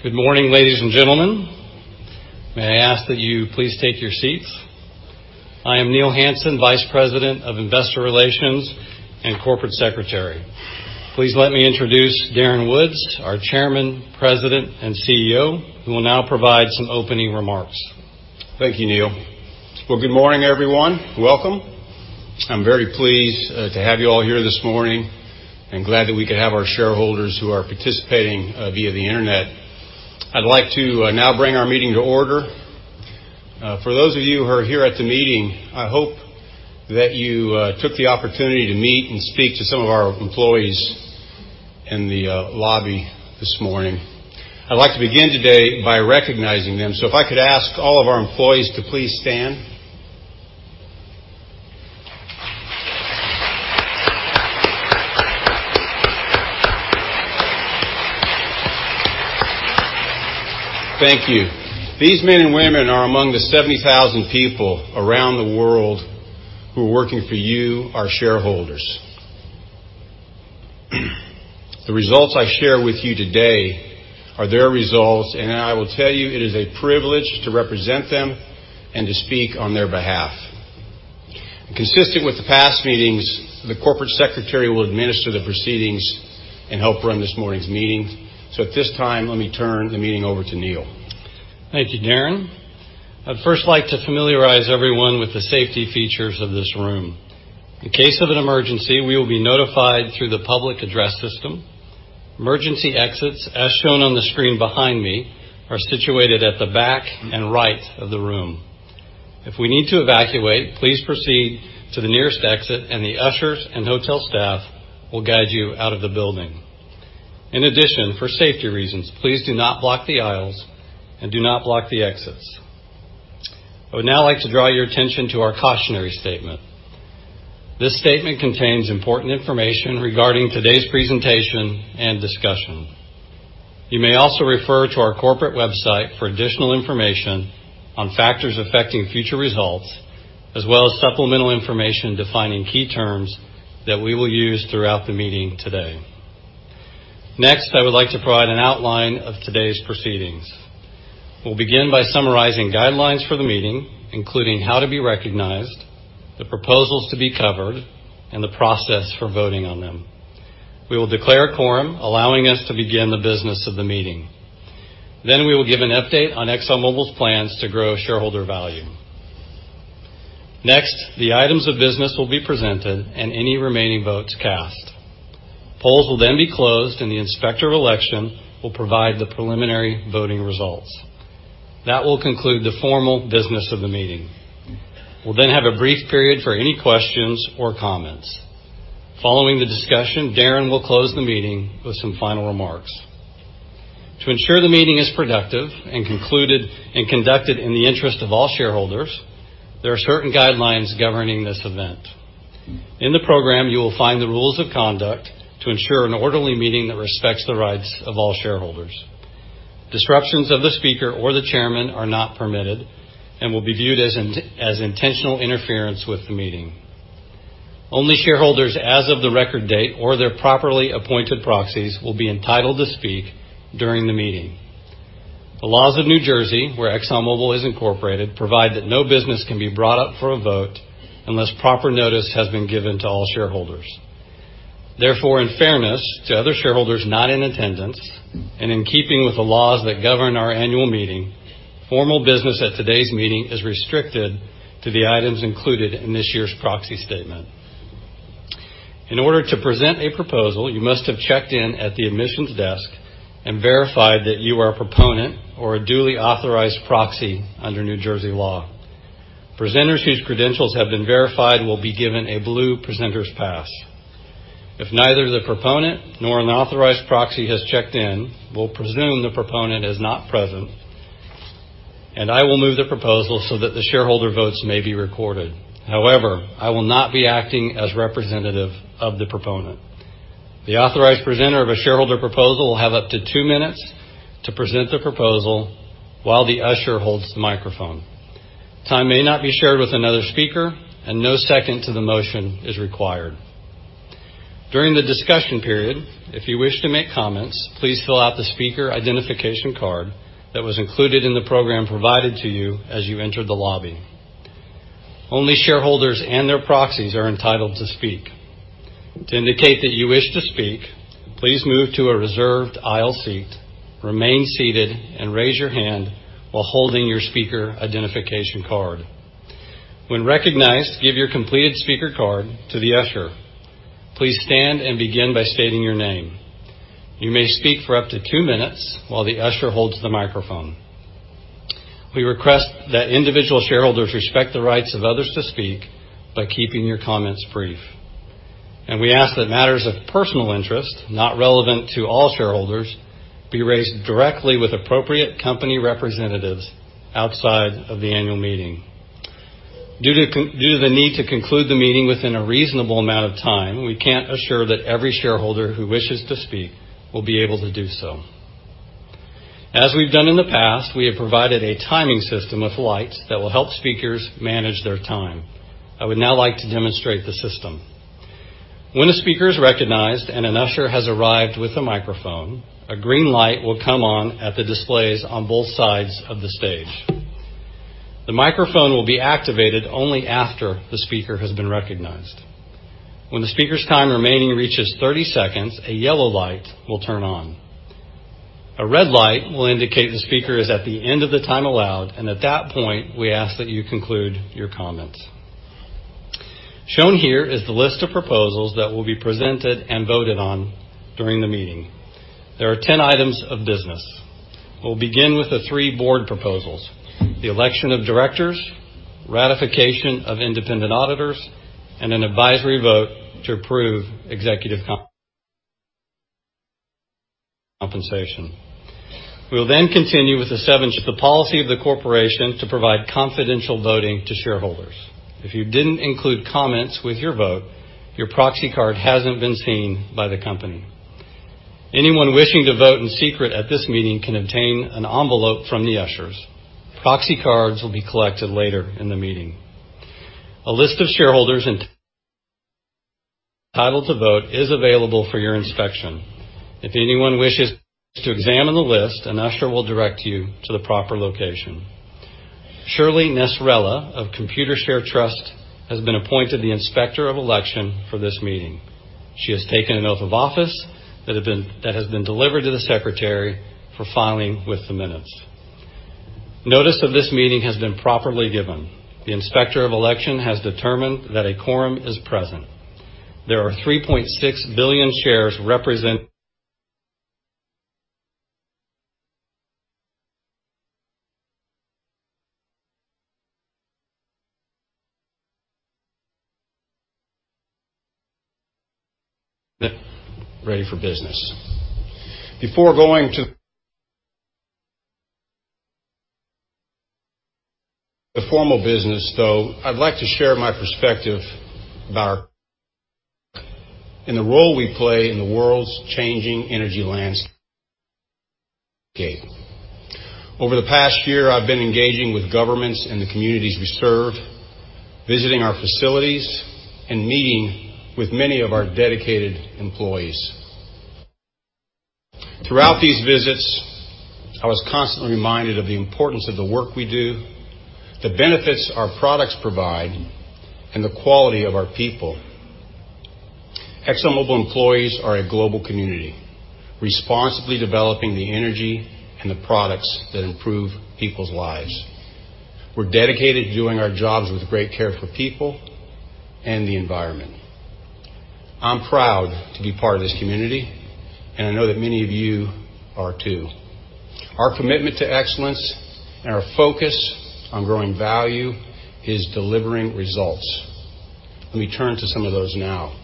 Good morning, ladies and gentlemen. May I ask that you please take your seats. I am Neil Hansen, Vice President of Investor Relations and Corporate Secretary. Please let me introduce Darren Woods, our Chairman, President, and CEO, who will now provide some opening remarks. Thank you, Neil. Well, good morning, everyone. Welcome. I'm very pleased to have you all here this morning, and glad that we could have our shareholders who are participating via the internet. I'd like to now bring our meeting to order. For those of you who are here at the meeting, I hope that you took the opportunity to meet and speak to some of our employees in the lobby this morning. I'd like to begin today by recognizing them. If I could ask all of our employees to please stand. Thank you. These men and women are among the 70,000 people around the world who are working for you, our shareholders. The results I share with you today are their results, and I will tell you it is a privilege to represent them and to speak on their behalf. Consistent with the past meetings, the Corporate Secretary will administer the proceedings and help run this morning's meeting. At this time, let me turn the meeting over to Neil. Thank you, Darren. I'd first like to familiarize everyone with the safety features of this room. In case of an emergency, we will be notified through the public address system. Emergency exits, as shown on the screen behind me, are situated at the back and right of the room. If we need to evacuate, please proceed to the nearest exit and the ushers and hotel staff will guide you out of the building. In addition, for safety reasons, please do not block the aisles and do not block the exits. I would now like to draw your attention to our cautionary statement. This statement contains important information regarding today's presentation and discussion. You may also refer to our corporate website for additional information on factors affecting future results, as well as supplemental information defining key terms that we will use throughout the meeting today. I would like to provide an outline of today's proceedings. We'll begin by summarizing guidelines for the meeting, including how to be recognized, the proposals to be covered, and the process for voting on them. We will declare a quorum, allowing us to begin the business of the meeting. We will give an update on ExxonMobil's plans to grow shareholder value. The items of business will be presented and any remaining votes cast. Polls will be closed and the inspector of election will provide the preliminary voting results. That will conclude the formal business of the meeting. We'll have a brief period for any questions or comments. Following the discussion, Darren will close the meeting with some final remarks. To ensure the meeting is productive and concluded and conducted in the interest of all shareholders, there are certain guidelines governing this event. In the program, you will find the rules of conduct to ensure an orderly meeting that respects the rights of all shareholders. Disruptions of the speaker or the chairman are not permitted and will be viewed as intentional interference with the meeting. Only shareholders as of the record date or their properly appointed proxies will be entitled to speak during the meeting. The laws of New Jersey, where ExxonMobil is incorporated, provide that no business can be brought up for a vote unless proper notice has been given to all shareholders. In fairness to other shareholders not in attendance and in keeping with the laws that govern our annual meeting, formal business at today's meeting is restricted to the items included in this year's proxy statement. In order to present a proposal, you must have checked in at the admissions desk and verified that you are a proponent or a duly authorized proxy under New Jersey law. Presenters whose credentials have been verified will be given a blue presenter's pass. If neither the proponent nor an authorized proxy has checked in, we'll presume the proponent is not present. I will move the proposal so that the shareholder votes may be recorded. I will not be acting as representative of the proponent. The authorized presenter of a shareholder proposal will have up to two minutes to present the proposal while the usher holds the microphone. Time may not be shared with another speaker. No second to the motion is required. During the discussion period, if you wish to make comments, please fill out the speaker identification card that was included in the program provided to you as you entered the lobby. Only shareholders and their proxies are entitled to speak. To indicate that you wish to speak, please move to a reserved aisle seat, remain seated, and raise your hand while holding your speaker identification card. When recognized, give your completed speaker card to the usher. Please stand and begin by stating your name. You may speak for up to two minutes while the usher holds the microphone. We request that individual shareholders respect the rights of others to speak by keeping your comments brief. We ask that matters of personal interest, not relevant to all shareholders, be raised directly with appropriate company representatives outside of the annual meeting. Due to the need to conclude the meeting within a reasonable amount of time, we can't assure that every shareholder who wishes to speak will be able to do so. As we've done in the past, we have provided a timing system with lights that will help speakers manage their time. I would now like to demonstrate the system. When a speaker is recognized and an usher has arrived with a microphone, a green light will come on at the displays on both sides of the stage. The microphone will be activated only after the speaker has been recognized. When the speaker's time remaining reaches 30 seconds, a yellow light will turn on. A red light will indicate the speaker is at the end of the time allowed, and at that point, we ask that you conclude your comments. Shown here is the list of proposals that will be presented and voted on during the meeting. There are 10 items of business. We'll begin with the 3 board proposals, the election of directors, ratification of independent auditors, and an advisory vote to approve executive compensation. We'll then continue with the policy of the corporation to provide confidential voting to shareholders. If you didn't include comments with your vote, your proxy card hasn't been seen by the company. Anyone wishing to vote in secret at this meeting can obtain an envelope from the ushers. Proxy cards will be collected later in the meeting. A list of shareholders entitled to vote is available for your inspection. If anyone wishes to examine the list, an usher will direct you to the proper location. Shirley Nesterella of Computershare Trust has been appointed the Inspector of Election for this meeting. She has taken an oath of office that has been delivered to the secretary for filing with the minutes. Notice of this meeting has been properly given. The Inspector of Election has determined that a quorum is present. There are 3.6 billion shares ready for business. Before going to the formal business though, I'd like to share my perspective about our and the role we play in the world's changing energy landscape. Over the past year, I've been engaging with governments and the communities we serve, visiting our facilities, and meeting with many of our dedicated employees. Throughout these visits, I was constantly reminded of the importance of the work we do, the benefits our products provide, and the quality of our people. ExxonMobil employees are a global community, responsibly developing the energy and the products that improve people's lives. We're dedicated to doing our jobs with great care for people and the environment. I'm proud to be part of this community, and I know that many of you are, too. Our commitment to excellence and our focus on growing value is delivering results. Let me turn to some of those now.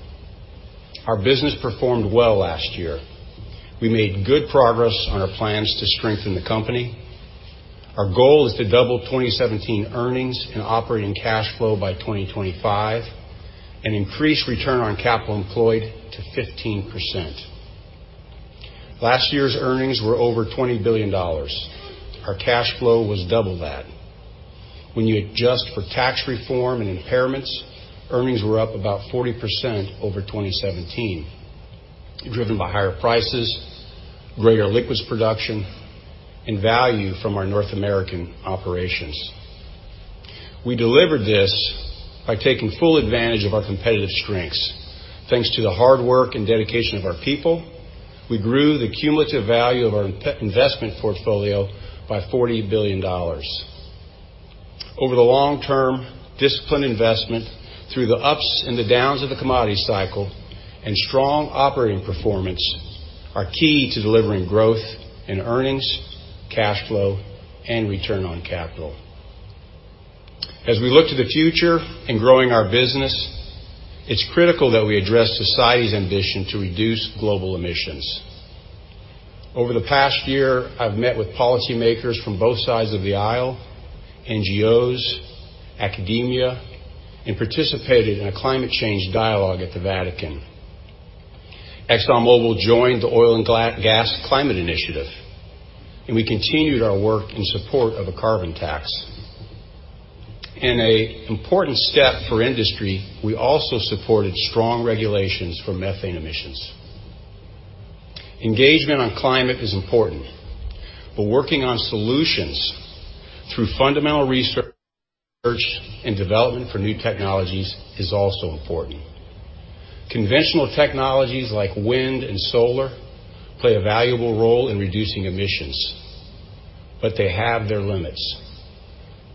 Our business performed well last year. We made good progress on our plans to strengthen the company. Our goal is to double 2017 earnings and operating cash flow by 2025 and increase return on capital employed to 15%. Last year's earnings were over $20 billion. Our cash flow was double that. When you adjust for tax reform and impairments, earnings were up about 40% over 2017, driven by higher prices, greater liquids production, and value from our North American operations. We delivered this by taking full advantage of our competitive strengths. Thanks to the hard work and dedication of our people, we grew the cumulative value of our investment portfolio by $40 billion. Over the long term, disciplined investment through the ups and the downs of the commodity cycle and strong operating performance are key to delivering growth in earnings, cash flow, and return on capital. As we look to the future in growing our business, it's critical that we address society's ambition to reduce global emissions. Over the past year, I've met with policymakers from both sides of the aisle, NGOs, academia, and participated in a climate change dialogue at the Vatican. ExxonMobil joined the Oil and Gas Climate Initiative, we continued our work in support of a carbon tax. In a important step for industry, we also supported strong regulations for methane emissions. Engagement on climate is important, working on solutions through fundamental research and development for new technologies is also important. Conventional technologies like wind and solar play a valuable role in reducing emissions, they have their limits.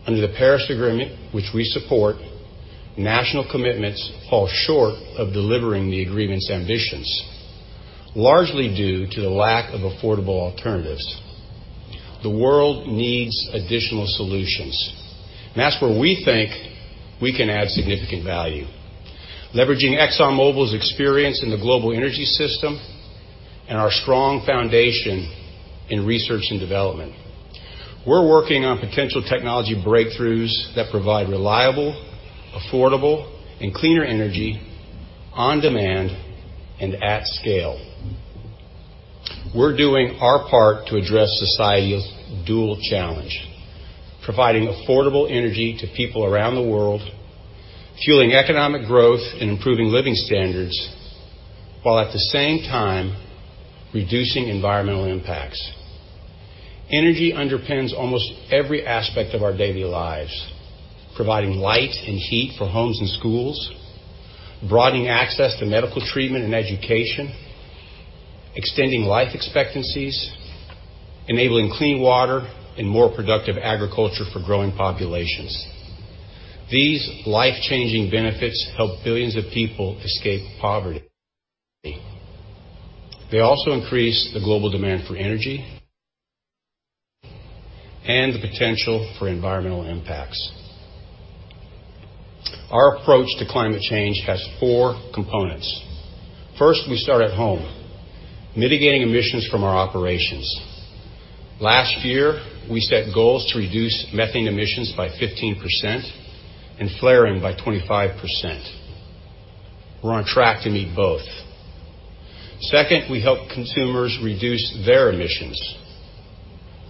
Under the Paris Agreement, which we support, national commitments fall short of delivering the agreement's ambitions, largely due to the lack of affordable alternatives. The world needs additional solutions, that's where we think we can add significant value, leveraging ExxonMobil's experience in the global energy system and our strong foundation in research and development. We're working on potential technology breakthroughs that provide reliable, affordable, and cleaner energy on demand and at scale. We're doing our part to address society's dual challenge, providing affordable energy to people around the world, fueling economic growth, and improving living standards, while at the same time reducing environmental impacts. Energy underpins almost every aspect of our daily lives, providing light and heat for homes and schools, broadening access to medical treatment and education, extending life expectancies, enabling clean water and more productive agriculture for growing populations. These life-changing benefits help billions of people escape poverty. They also increase the global demand for energy and the potential for environmental impacts. Our approach to climate change has four components. First, we start at home, mitigating emissions from our operations. Last year, we set goals to reduce methane emissions by 15% and flaring by 25%. We're on track to meet both. Second, we help consumers reduce their emissions.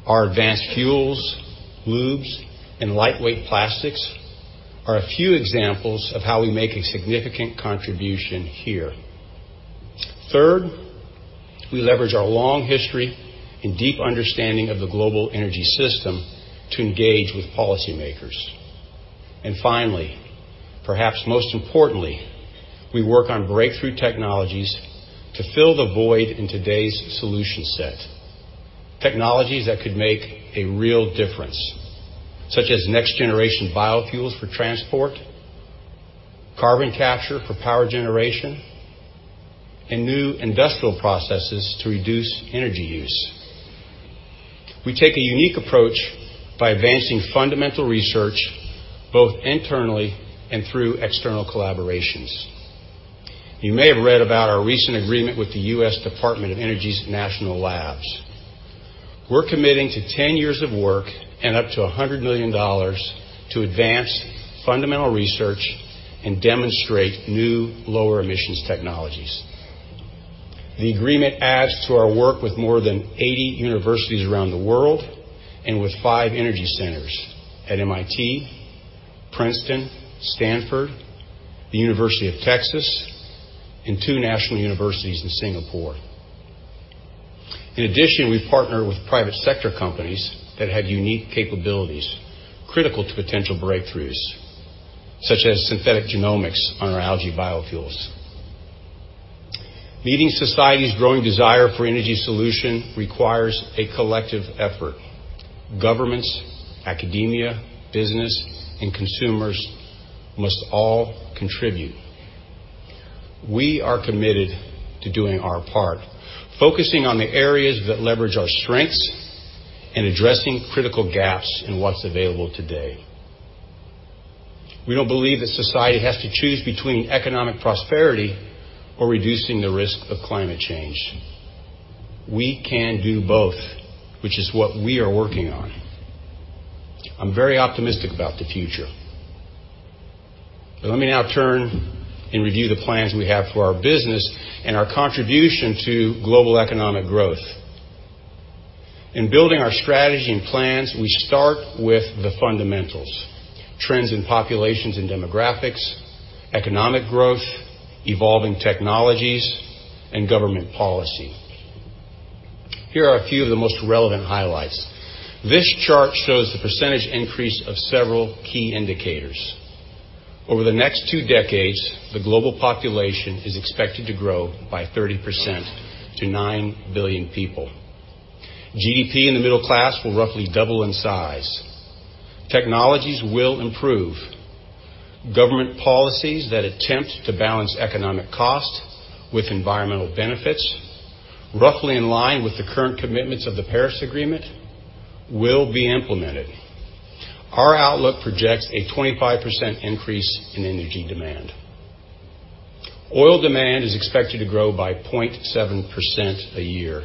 Our advanced fuels, lubes, and lightweight plastics are a few examples of how we make a significant contribution here. Third, we leverage our long history and deep understanding of the global energy system to engage with policymakers. Finally, perhaps most importantly, we work on breakthrough technologies to fill the void in today's solution set. Technologies that could make a real difference, such as next-generation biofuels for transport, carbon capture for power generation, and new industrial processes to reduce energy use. We take a unique approach by advancing fundamental research, both internally and through external collaborations. You may have read about our recent agreement with the U.S. Department of Energy's National Labs. We're committing to 10 years of work and up to $100 million to advance fundamental research and demonstrate new lower emissions technologies. The agreement adds to our work with more than 80 universities around the world and with 5 energy centers at MIT, Princeton, Stanford, The University of Texas, and 2 national universities in Singapore. In addition, we partner with private sector companies that have unique capabilities critical to potential breakthroughs, such as Synthetic Genomics on our algae biofuels. Meeting society's growing desire for energy solution requires a collective effort. Governments, academia, business, and consumers must all contribute. We are committed to doing our part, focusing on the areas that leverage our strengths and addressing critical gaps in what's available today. We don't believe that society has to choose between economic prosperity or reducing the risk of climate change. We can do both, which is what we are working on. I'm very optimistic about the future. Let me now turn and review the plans we have for our business and our contribution to global economic growth. In building our strategy and plans, we start with the fundamentals, trends in populations and demographics, economic growth, evolving technologies, and government policy. Here are a few of the most relevant highlights. This chart shows the percentage increase of several key indicators. Over the next 2 decades, the global population is expected to grow by 30% to 9 billion people. GDP in the middle class will roughly double in size. Technologies will improve. Government policies that attempt to balance economic cost with environmental benefits, roughly in line with the current commitments of the Paris Agreement, will be implemented. Our outlook projects a 25% increase in energy demand. Oil demand is expected to grow by 0.7% a year,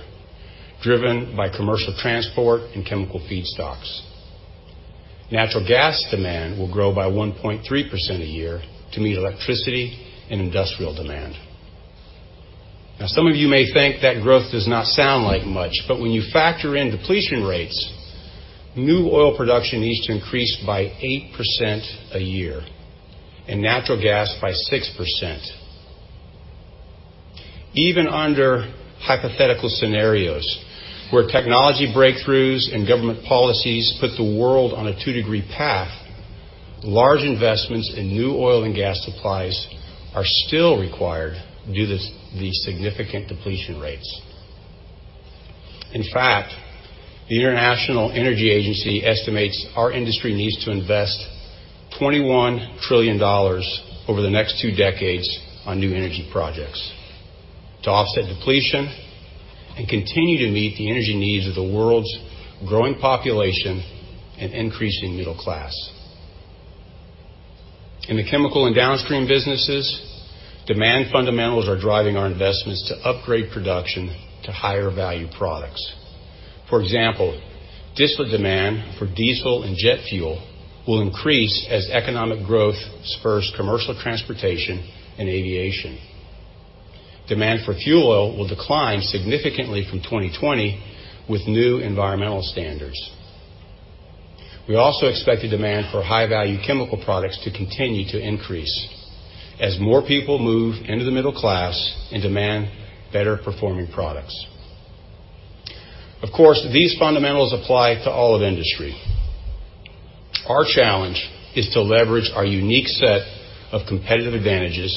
driven by commercial transport and chemical feedstocks. Natural gas demand will grow by 1.3% a year to meet electricity and industrial demand. Now, some of you may think that growth does not sound like much, but when you factor in depletion rates, new oil production needs to increase by 8% a year and natural gas by 6%. Even under hypothetical scenarios where technology breakthroughs and government policies put the world on a two-degree path, large investments in new oil and gas supplies are still required due to the significant depletion rates. In fact, the International Energy Agency estimates our industry needs to invest $21 trillion over the next 2 decades on new energy projects to offset depletion and continue to meet the energy needs of the world's growing population and increasing middle class. In the chemical and downstream businesses, demand fundamentals are driving our investments to upgrade production to higher value products. For example, distillate demand for diesel and jet fuel will increase as economic growth spurs commercial transportation and aviation. Demand for fuel oil will decline significantly from 2020 with new environmental standards. We also expect the demand for high-value chemical products to continue to increase as more people move into the middle class and demand better performing products. Of course, these fundamentals apply to all of industry. Our challenge is to leverage our unique set of competitive advantages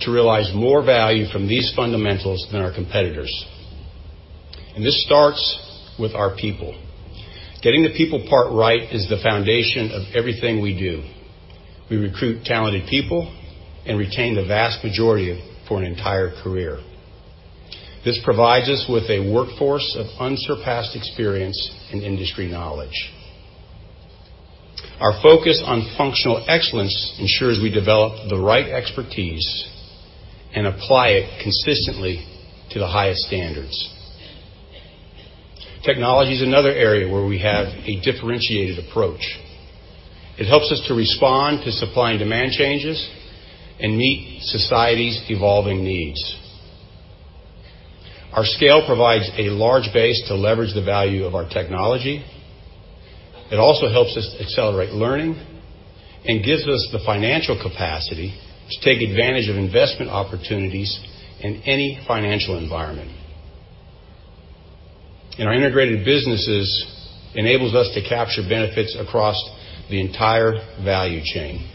to realize more value from these fundamentals than our competitors. This starts with our people. Getting the people part right is the foundation of everything we do. We recruit talented people and retain the vast majority for an entire career. This provides us with a workforce of unsurpassed experience and industry knowledge. Our focus on functional excellence ensures we develop the right expertise and apply it consistently to the highest standards. Technology is another area where we have a differentiated approach. It helps us to respond to supply and demand changes and meet society's evolving needs. Our scale provides a large base to leverage the value of our technology. It also helps us accelerate learning and gives us the financial capacity to take advantage of investment opportunities in any financial environment. Our integrated businesses enable us to capture benefits across the entire value chain.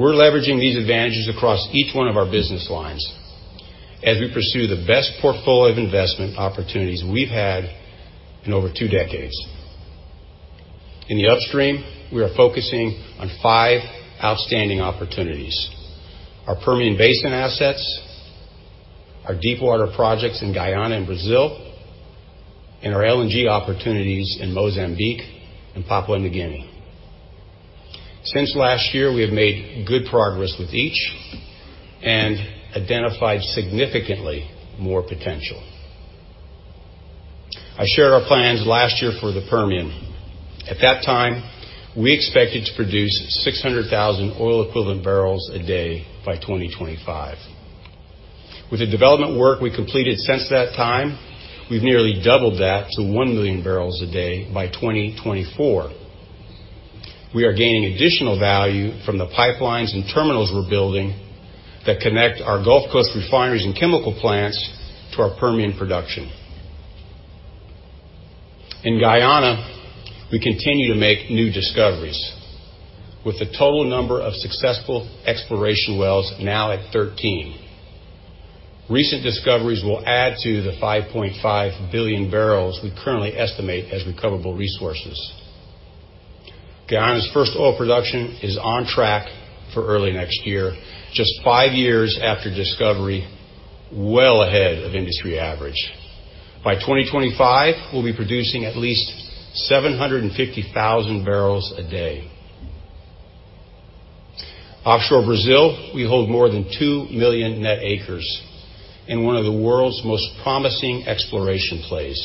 We're leveraging these advantages across each one of our business lines as we pursue the best portfolio of investment opportunities we've had in over two decades. In the upstream, we are focusing on five outstanding opportunities. Our Permian Basin assets, our deepwater projects in Guyana and Brazil, and our LNG opportunities in Mozambique and Papua New Guinea. Since last year, we have made good progress with each and identified significantly more potential. I shared our plans last year for the Permian. At that time, we expected to produce 600,000 oil equivalent barrels a day by 2025. With the development work we completed since that time, we've nearly doubled that to 1 million barrels a day by 2024. We are gaining additional value from the pipelines and terminals we're building that connect our Gulf Coast refineries and chemical plants to our Permian production. In Guyana, we continue to make new discoveries with the total number of successful exploration wells now at 13. Recent discoveries will add to the 5.5 billion barrels we currently estimate as recoverable resources. Guyana's first oil production is on track for early next year, just five years after discovery, well ahead of industry average. By 2025, we'll be producing at least 750,000 barrels a day. Offshore Brazil, we hold more than two million net acres in one of the world's most promising exploration plays.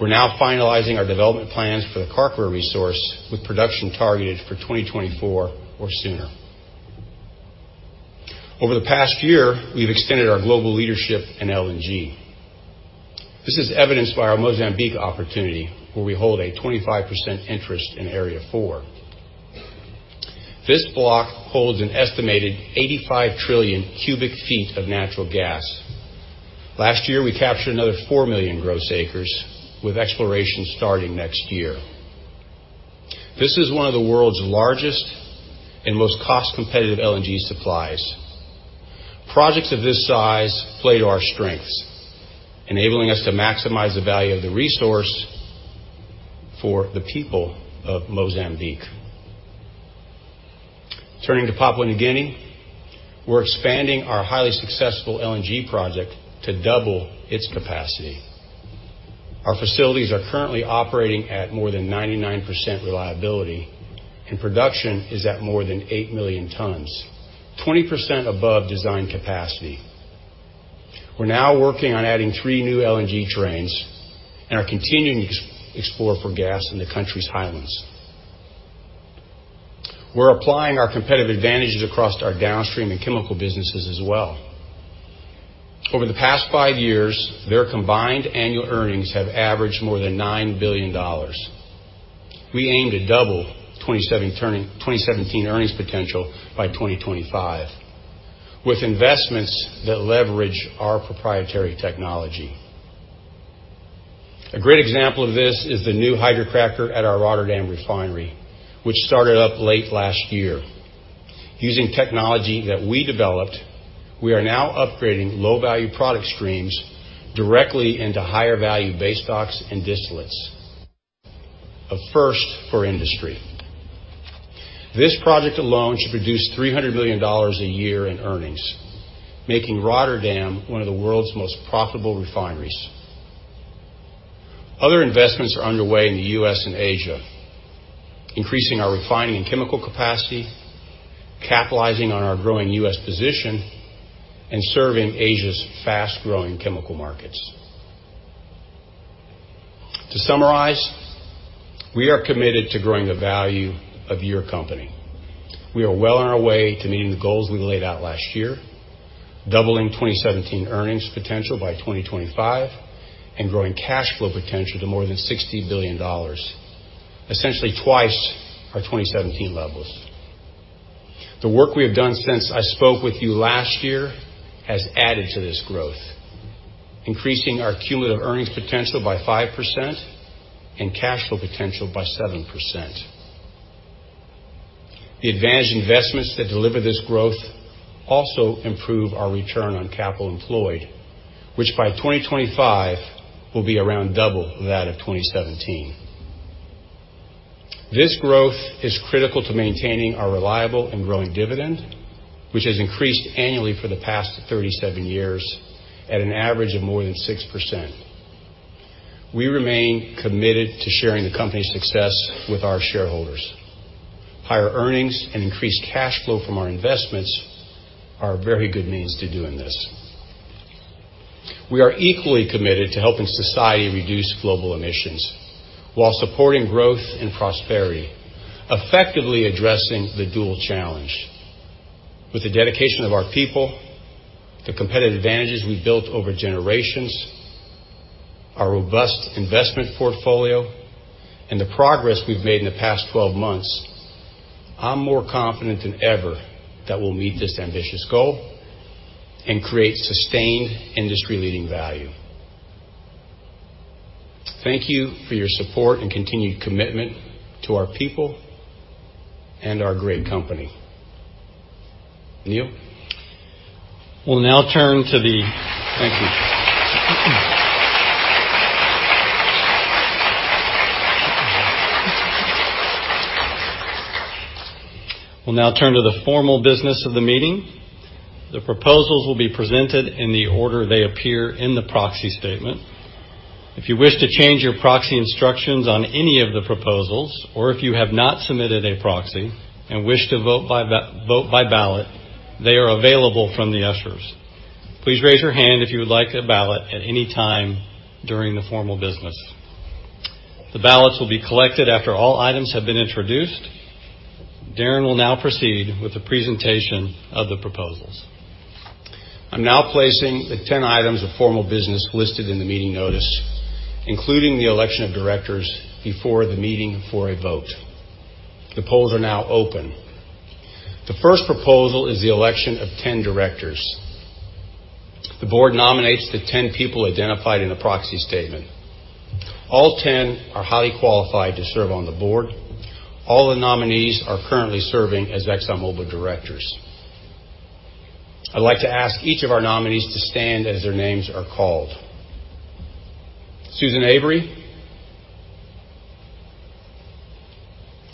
We're now finalizing our development plans for the Carcara resource with production targeted for 2024 or sooner. Over the past year, we've extended our global leadership in LNG. This is evidenced by our Mozambique opportunity, where we hold a 25% interest in Area 4. This block holds an estimated 85 trillion cubic feet of natural gas. Last year, we captured another four million gross acres with exploration starting next year. This is one of the world's largest and most cost-competitive LNG supplies. Projects of this size play to our strengths, enabling us to maximize the value of the resource for the people of Mozambique. Turning to Papua New Guinea. We're expanding our highly successful LNG project to double its capacity. Our facilities are currently operating at more than 99% reliability, and production is at more than eight million tons, 20% above design capacity. We're now working on adding three new LNG trains and are continuing to explore for gas in the country's highlands. We're applying our competitive advantages across our downstream and chemical businesses as well. Over the past five years, their combined annual earnings have averaged more than $9 billion. We aim to double 2017 earnings potential by 2025 with investments that leverage our proprietary technology. A great example of this is the new hydrocracker at our Rotterdam refinery, which started up late last year. Using technology that we developed, we are now upgrading low-value product streams directly into higher value base stocks and distillates. A first for industry. This project alone should produce $300 million a year in earnings, making Rotterdam one of the world's most profitable refineries. Other investments are underway in the U.S. and Asia, increasing our refining and chemical capacity, capitalizing on our growing U.S. position, and serving Asia's fast-growing chemical markets. To summarize, we are committed to growing the value of your company. We are well on our way to meeting the goals we laid out last year, doubling 2017 earnings potential by 2025 and growing cash flow potential to more than $60 billion, essentially twice our 2017 levels. The work we have done since I spoke with you last year has added to this growth, increasing our cumulative earnings potential by 5% and cash flow potential by 7%. The advantage investments that deliver this growth also improve our return on capital employed, which by 2025 will be around double that of 2017. This growth is critical to maintaining our reliable and growing dividend, which has increased annually for the past 37 years at an average of more than 6%. We remain committed to sharing the company's success with our shareholders. Higher earnings and increased cash flow from our investments are a very good means to doing this. We are equally committed to helping society reduce global emissions while supporting growth and prosperity, effectively addressing the dual challenge. With the dedication of our people, the competitive advantages we've built over generations, our robust investment portfolio, and the progress we've made in the past 12 months, I'm more confident than ever that we'll meet this ambitious goal and create sustained industry-leading value. Thank you for your support and continued commitment to our people and our great company. Neil? Thank you. We'll now turn to the formal business of the meeting. The proposals will be presented in the order they appear in the proxy statement. If you wish to change your proxy instructions on any of the proposals, or if you have not submitted a proxy and wish to vote by ballot, they are available from the ushers. Please raise your hand if you would like a ballot at any time during the formal business. The ballots will be collected after all items have been introduced. Darren will now proceed with the presentation of the proposals. I'm now placing the 10 items of formal business listed in the meeting notice, including the election of directors before the meeting for a vote. The polls are now open. The first proposal is the election of 10 directors. The Board nominates the 10 people identified in the proxy statement. All 10 are highly qualified to serve on the Board. All the nominees are currently serving as ExxonMobil directors. I'd like to ask each of our nominees to stand as their names are called. Susan Avery.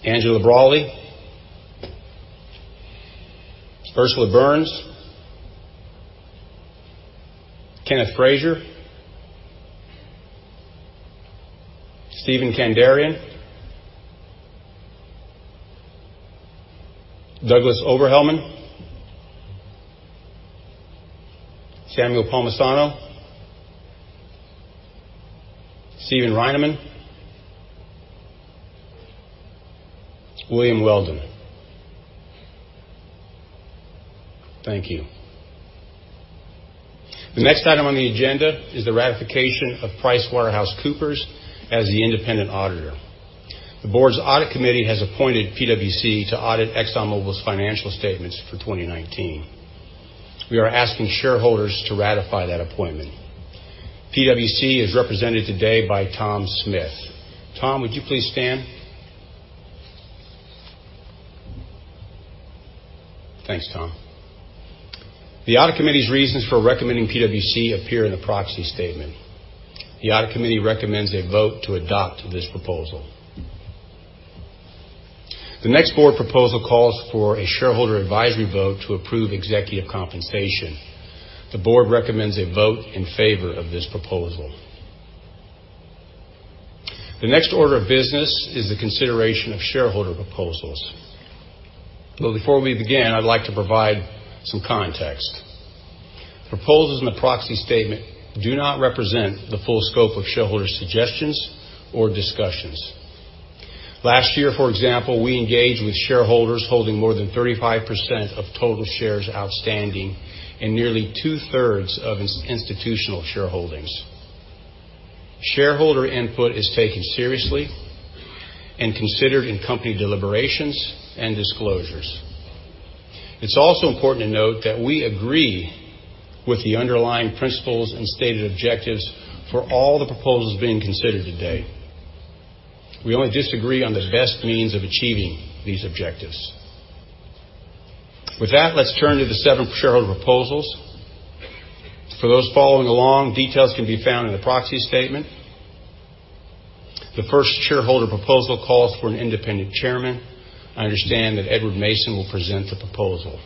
Angela Braly. Ursula Burns. Kenneth Frazier. Steven Kandarian. Douglas Oberhelman. Samuel Palmisano. Steven Reinemund. William Weldon. Thank you. The next item on the agenda is the ratification of PricewaterhouseCoopers as the independent auditor. The Board's Audit Committee has appointed PwC to audit ExxonMobil's financial statements for 2019. We are asking shareholders to ratify that appointment. PwC is represented today by Tom Smith. Tom, would you please stand? Thanks, Tom. The Audit Committee's reasons for recommending PwC appear in the proxy statement. The Audit Committee recommends a vote to adopt this proposal. The next board proposal calls for a shareholder advisory vote to approve executive compensation. The board recommends a vote in favor of this proposal. The next order of business is the consideration of shareholder proposals. Before we begin, I'd like to provide some context. Proposals in the proxy statement do not represent the full scope of shareholder suggestions or discussions. Last year, for example, we engaged with shareholders holding more than 35% of total shares outstanding and nearly two-thirds of institutional shareholdings. Shareholder input is taken seriously and considered in company deliberations and disclosures. It's also important to note that we agree with the underlying principles and stated objectives for all the proposals being considered today. We only disagree on the best means of achieving these objectives. With that, let's turn to the seven shareholder proposals. For those following along, details can be found in the proxy statement. The first shareholder proposal calls for an independent chairman. I understand that Edward Mason will present the proposal.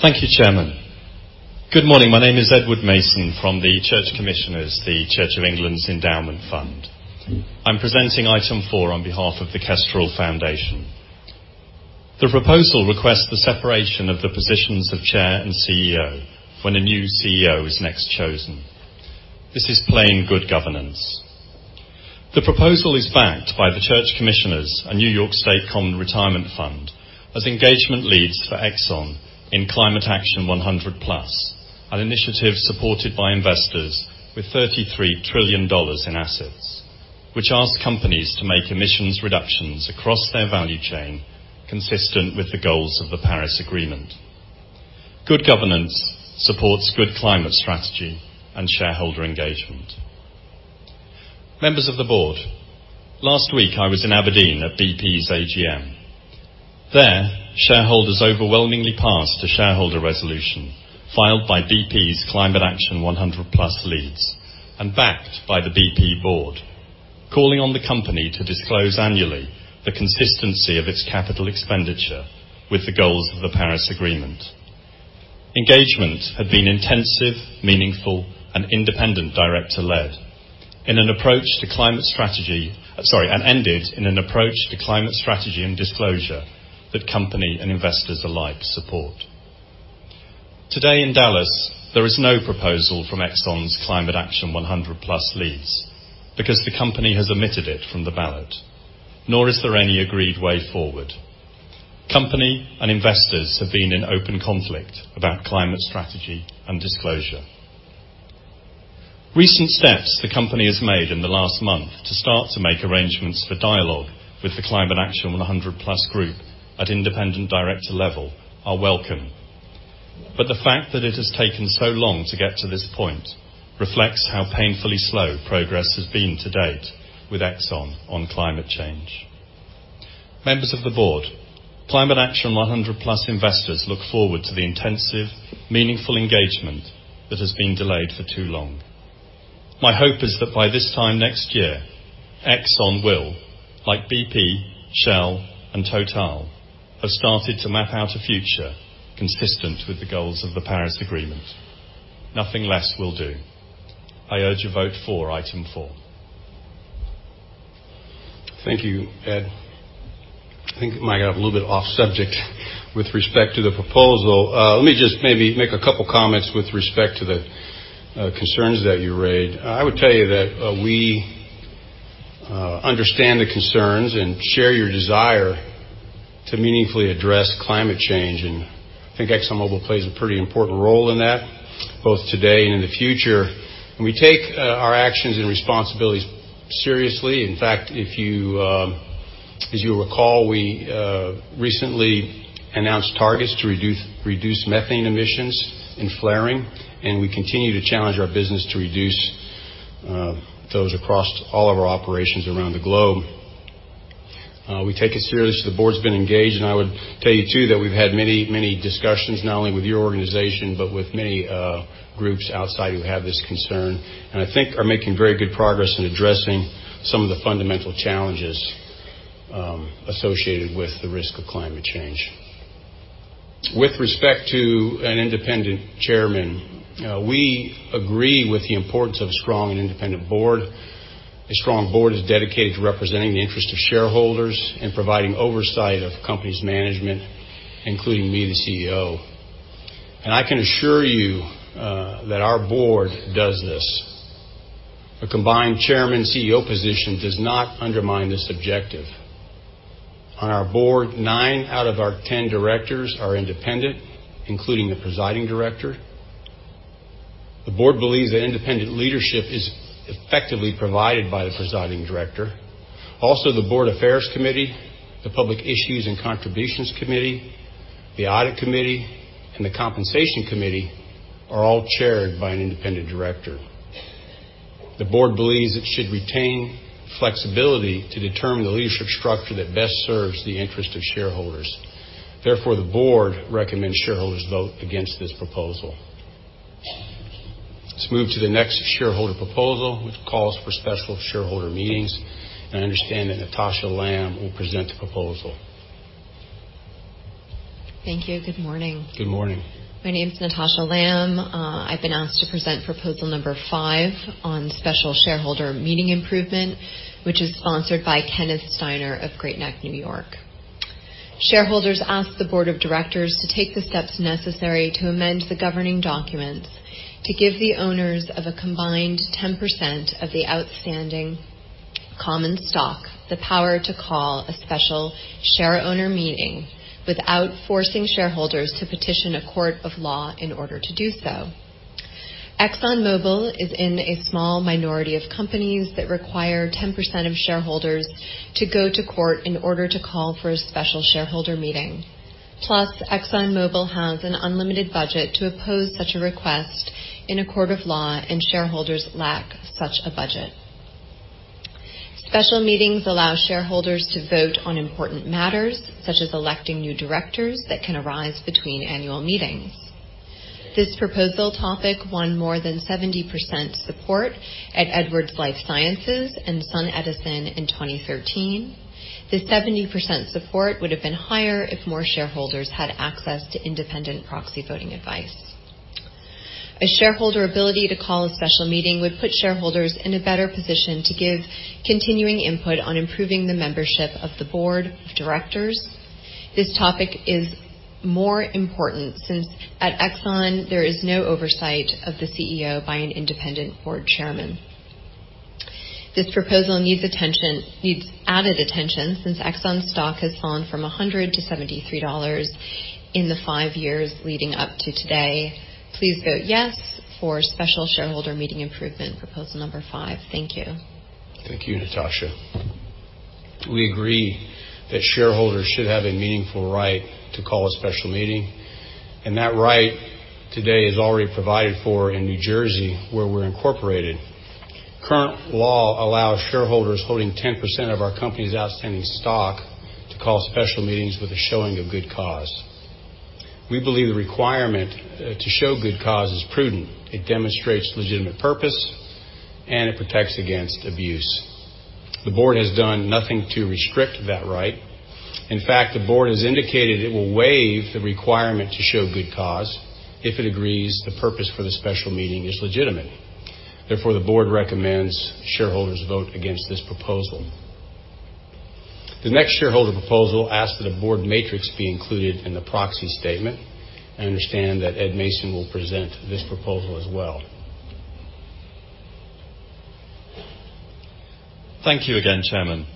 Thank you, Chairman. Good morning. My name is Edward Mason from the Church Commissioners for England, the Church of England's endowment fund. I'm presenting item four on behalf of the Kestrel Foundation. The proposal requests the separation of the positions of chair and CEO when a new CEO is next chosen. This is plain good governance. The proposal is backed by the Church Commissioners for England and New York State Common Retirement Fund as engagement leads for Exxon in Climate Action 100+, an initiative supported by investors with $33 trillion in assets, which asks companies to make emissions reductions across their value chain consistent with the goals of the Paris Agreement. Good governance supports good climate strategy and shareholder engagement. Members of the board, last week, I was in Aberdeen at BP's AGM. There, shareholders overwhelmingly passed a shareholder resolution filed by BP's Climate Action 100+ leads and backed by the BP board, calling on the company to disclose annually the consistency of its capital expenditure with the goals of the Paris Agreement. Engagement had been intensive, meaningful, and independent director-led and ended in an approach to climate strategy and disclosure that company and investors alike support. Today in Dallas, there is no proposal from Exxon's Climate Action 100+ leads because the company has omitted it from the ballot, nor is there any agreed way forward. Company and investors have been in open conflict about climate strategy and disclosure. Recent steps the company has made in the last month to start to make arrangements for dialogue with the Climate Action 100+ group at independent director level are welcome. The fact that it has taken so long to get to this point reflects how painfully slow progress has been to date with Exxon on climate change. Members of the board, Climate Action 100+ investors look forward to the intensive, meaningful engagement that has been delayed for too long. My hope is that by this time next year, Exxon will, like BP, Shell, and Total, have started to map out a future consistent with the goals of the Paris Agreement. Nothing less will do. I urge a vote for item four. Thank you, Ed. I think it might have a little bit off-subject with respect to the proposal. Let me just maybe make a couple comments with respect to the concerns that you raised. I would tell you that we understand the concerns and share your desire to meaningfully address climate change, and I think ExxonMobil plays a pretty important role in that, both today and in the future. We take our actions and responsibilities seriously. In fact, as you'll recall, we recently announced targets to reduce methane emissions in flaring, and we continue to challenge our business to reduce those across all of our operations around the globe. We take it seriously. The board's been engaged. I would tell you too that we've had many discussions, not only with your organization, but with many groups outside who have this concern, and I think are making very good progress in addressing some of the fundamental challenges associated with the risk of climate change. With respect to an independent chairman, we agree with the importance of a strong and independent board. A strong board is dedicated to representing the interest of shareholders and providing oversight of company's management, including me, the CEO. I can assure you that our board does this. A combined chairman-CEO position does not undermine this objective. On our board, 9 out of our 10 directors are independent, including the presiding director. The board believes that independent leadership is effectively provided by the presiding director. The Board Affairs Committee, the Public Issues and Contributions Committee, the Audit Committee, and the Compensation Committee are all chaired by an independent director. The board believes it should retain flexibility to determine the leadership structure that best serves the interest of shareholders. Therefore, the board recommends shareholders vote against this proposal. Let's move to the next shareholder proposal, which calls for special shareholder meetings. I understand that Natasha Lamb will present the proposal. Thank you. Good morning. Good morning. My name's Natasha Lamb. I've been asked to present proposal number 5 on special shareholder meeting improvement, which is sponsored by Kenneth Steiner of Great Neck, New York. Shareholders ask the board of directors to take the steps necessary to amend the governing documents to give the owners of a combined 10% of the outstanding common stock the power to call a special shareowner meeting without forcing shareholders to petition a court of law in order to do so. ExxonMobil is in a small minority of companies that require 10% of shareholders to go to court in order to call for a special shareholder meeting. Plus, ExxonMobil has an unlimited budget to oppose such a request in a court of law, and shareholders lack such a budget. Special meetings allow shareholders to vote on important matters, such as electing new directors, that can arise between annual meetings. This proposal topic won more than 70% support at Edwards Lifesciences and SunEdison in 2013. The 70% support would have been higher if more shareholders had access to independent proxy voting advice. A shareholder ability to call a special meeting would put shareholders in a better position to give continuing input on improving the membership of the board of directors. This topic is more important since at Exxon, there is no oversight of the CEO by an independent board chairman. This proposal needs added attention since Exxon's stock has fallen from $100 to $73 in the five years leading up to today. Please vote yes for special shareholder meeting improvement, proposal number 5. Thank you. Thank you, Natasha. We agree that shareholders should have a meaningful right to call a special meeting, and that right today is already provided for in New Jersey, where we're incorporated. Current law allows shareholders holding 10% of our company's outstanding stock to call special meetings with a showing of good cause. We believe the requirement to show good cause is prudent. It demonstrates legitimate purpose, and it protects against abuse. The board has done nothing to restrict that right. In fact, the board has indicated it will waive the requirement to show good cause if it agrees the purpose for the special meeting is legitimate. Therefore, the board recommends shareholders vote against this proposal. The next shareholder proposal asks that a board matrix be included in the proxy statement. I understand that Edward Mason will present this proposal as well. Thank you again, Chairman.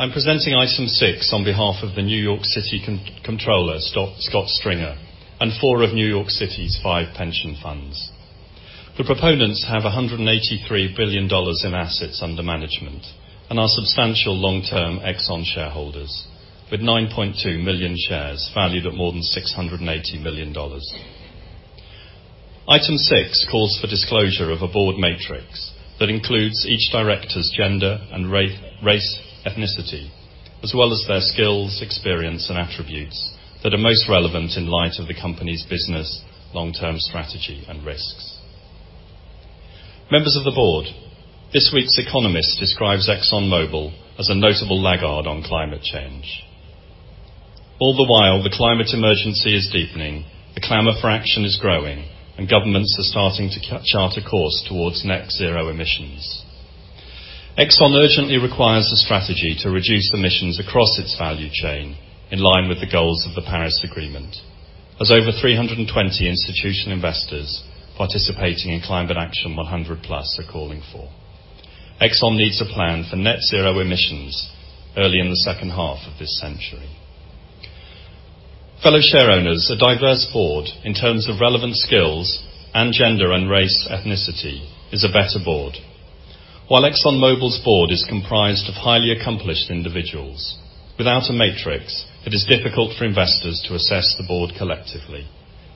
I'm presenting item six on behalf of the New York City Comptroller, Scott Stringer, and four of New York City's five pension funds. The proponents have $183 billion in assets under management and are substantial long-term Exxon shareholders, with 9.2 million shares valued at more than $680 million. Item six calls for disclosure of a board matrix that includes each director's gender and race, ethnicity, as well as their skills, experience, and attributes that are most relevant in light of the company's business long-term strategy and risks. Members of the board, this week's The Economist describes ExxonMobil as a notable laggard on climate change. All the while, the climate emergency is deepening, the clamor for action is growing, and governments are starting to chart a course towards net zero emissions. Exxon urgently requires a strategy to reduce emissions across its value chain in line with the goals of the Paris Agreement, as over 320 institutional investors participating in Climate Action 100+ are calling for. Exxon needs a plan for net zero emissions early in the second half of this century. Fellow shareowners, a diverse board in terms of relevant skills and gender and race ethnicity is a better board. While ExxonMobil's board is comprised of highly accomplished individuals, without a matrix, it is difficult for investors to assess the board collectively,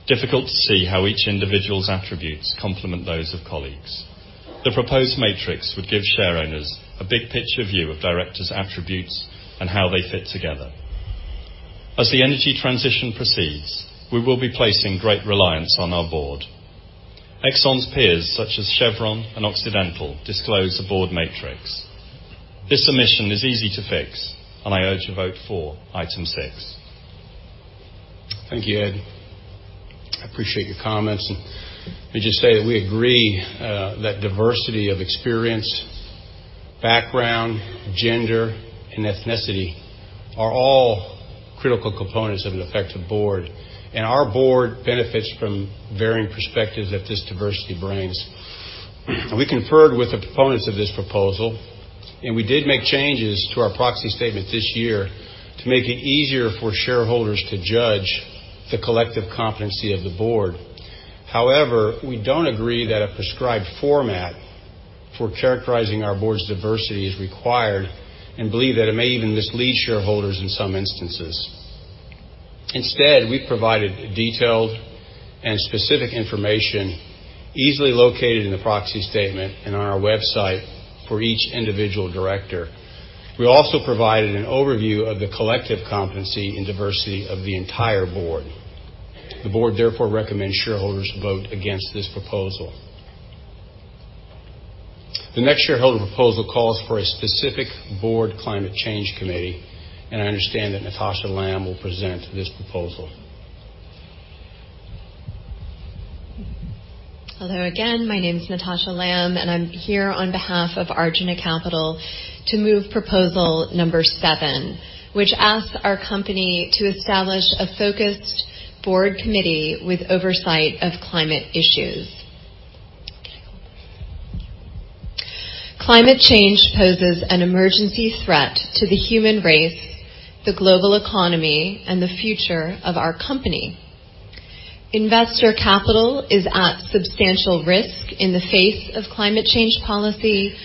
difficult to see how each individual's attributes complement those of colleagues. The proposed matrix would give shareowners a big-picture view of directors' attributes and how they fit together. As the energy transition proceeds, we will be placing great reliance on our board. Exxon's peers, such as Chevron and Occidental, disclose a board matrix. This omission is easy to fix, I urge a vote for item six. Thank you, Ed. I appreciate your comments, and let me just say that we agree that diversity of experience, background, gender, and ethnicity are all critical components of an effective Board, and our Board benefits from varying perspectives that this diversity brings. We conferred with the proponents of this proposal, and we did make changes to our proxy statement this year to make it easier for shareholders to judge the collective competency of the Board. However, we don't agree that a prescribed format for characterizing our Board's diversity is required and believe that it may even mislead shareholders in some instances. Instead, we provided detailed and specific information easily located in the proxy statement and on our website for each individual director. We also provided an overview of the collective competency and diversity of the entire Board. The Board therefore recommends shareholders vote against this proposal. The next shareholder proposal calls for a specific Board climate change committee. I understand that Natasha Lamb will present this proposal. Hello again. My name is Natasha Lamb. I'm here on behalf of Arjuna Capital to move proposal number seven, which asks our company to establish a focused Board committee with oversight of climate issues. Climate change poses an emergency threat to the human race, the global economy, and the future of our company. Investor capital is at substantial risk in the face of climate change policy,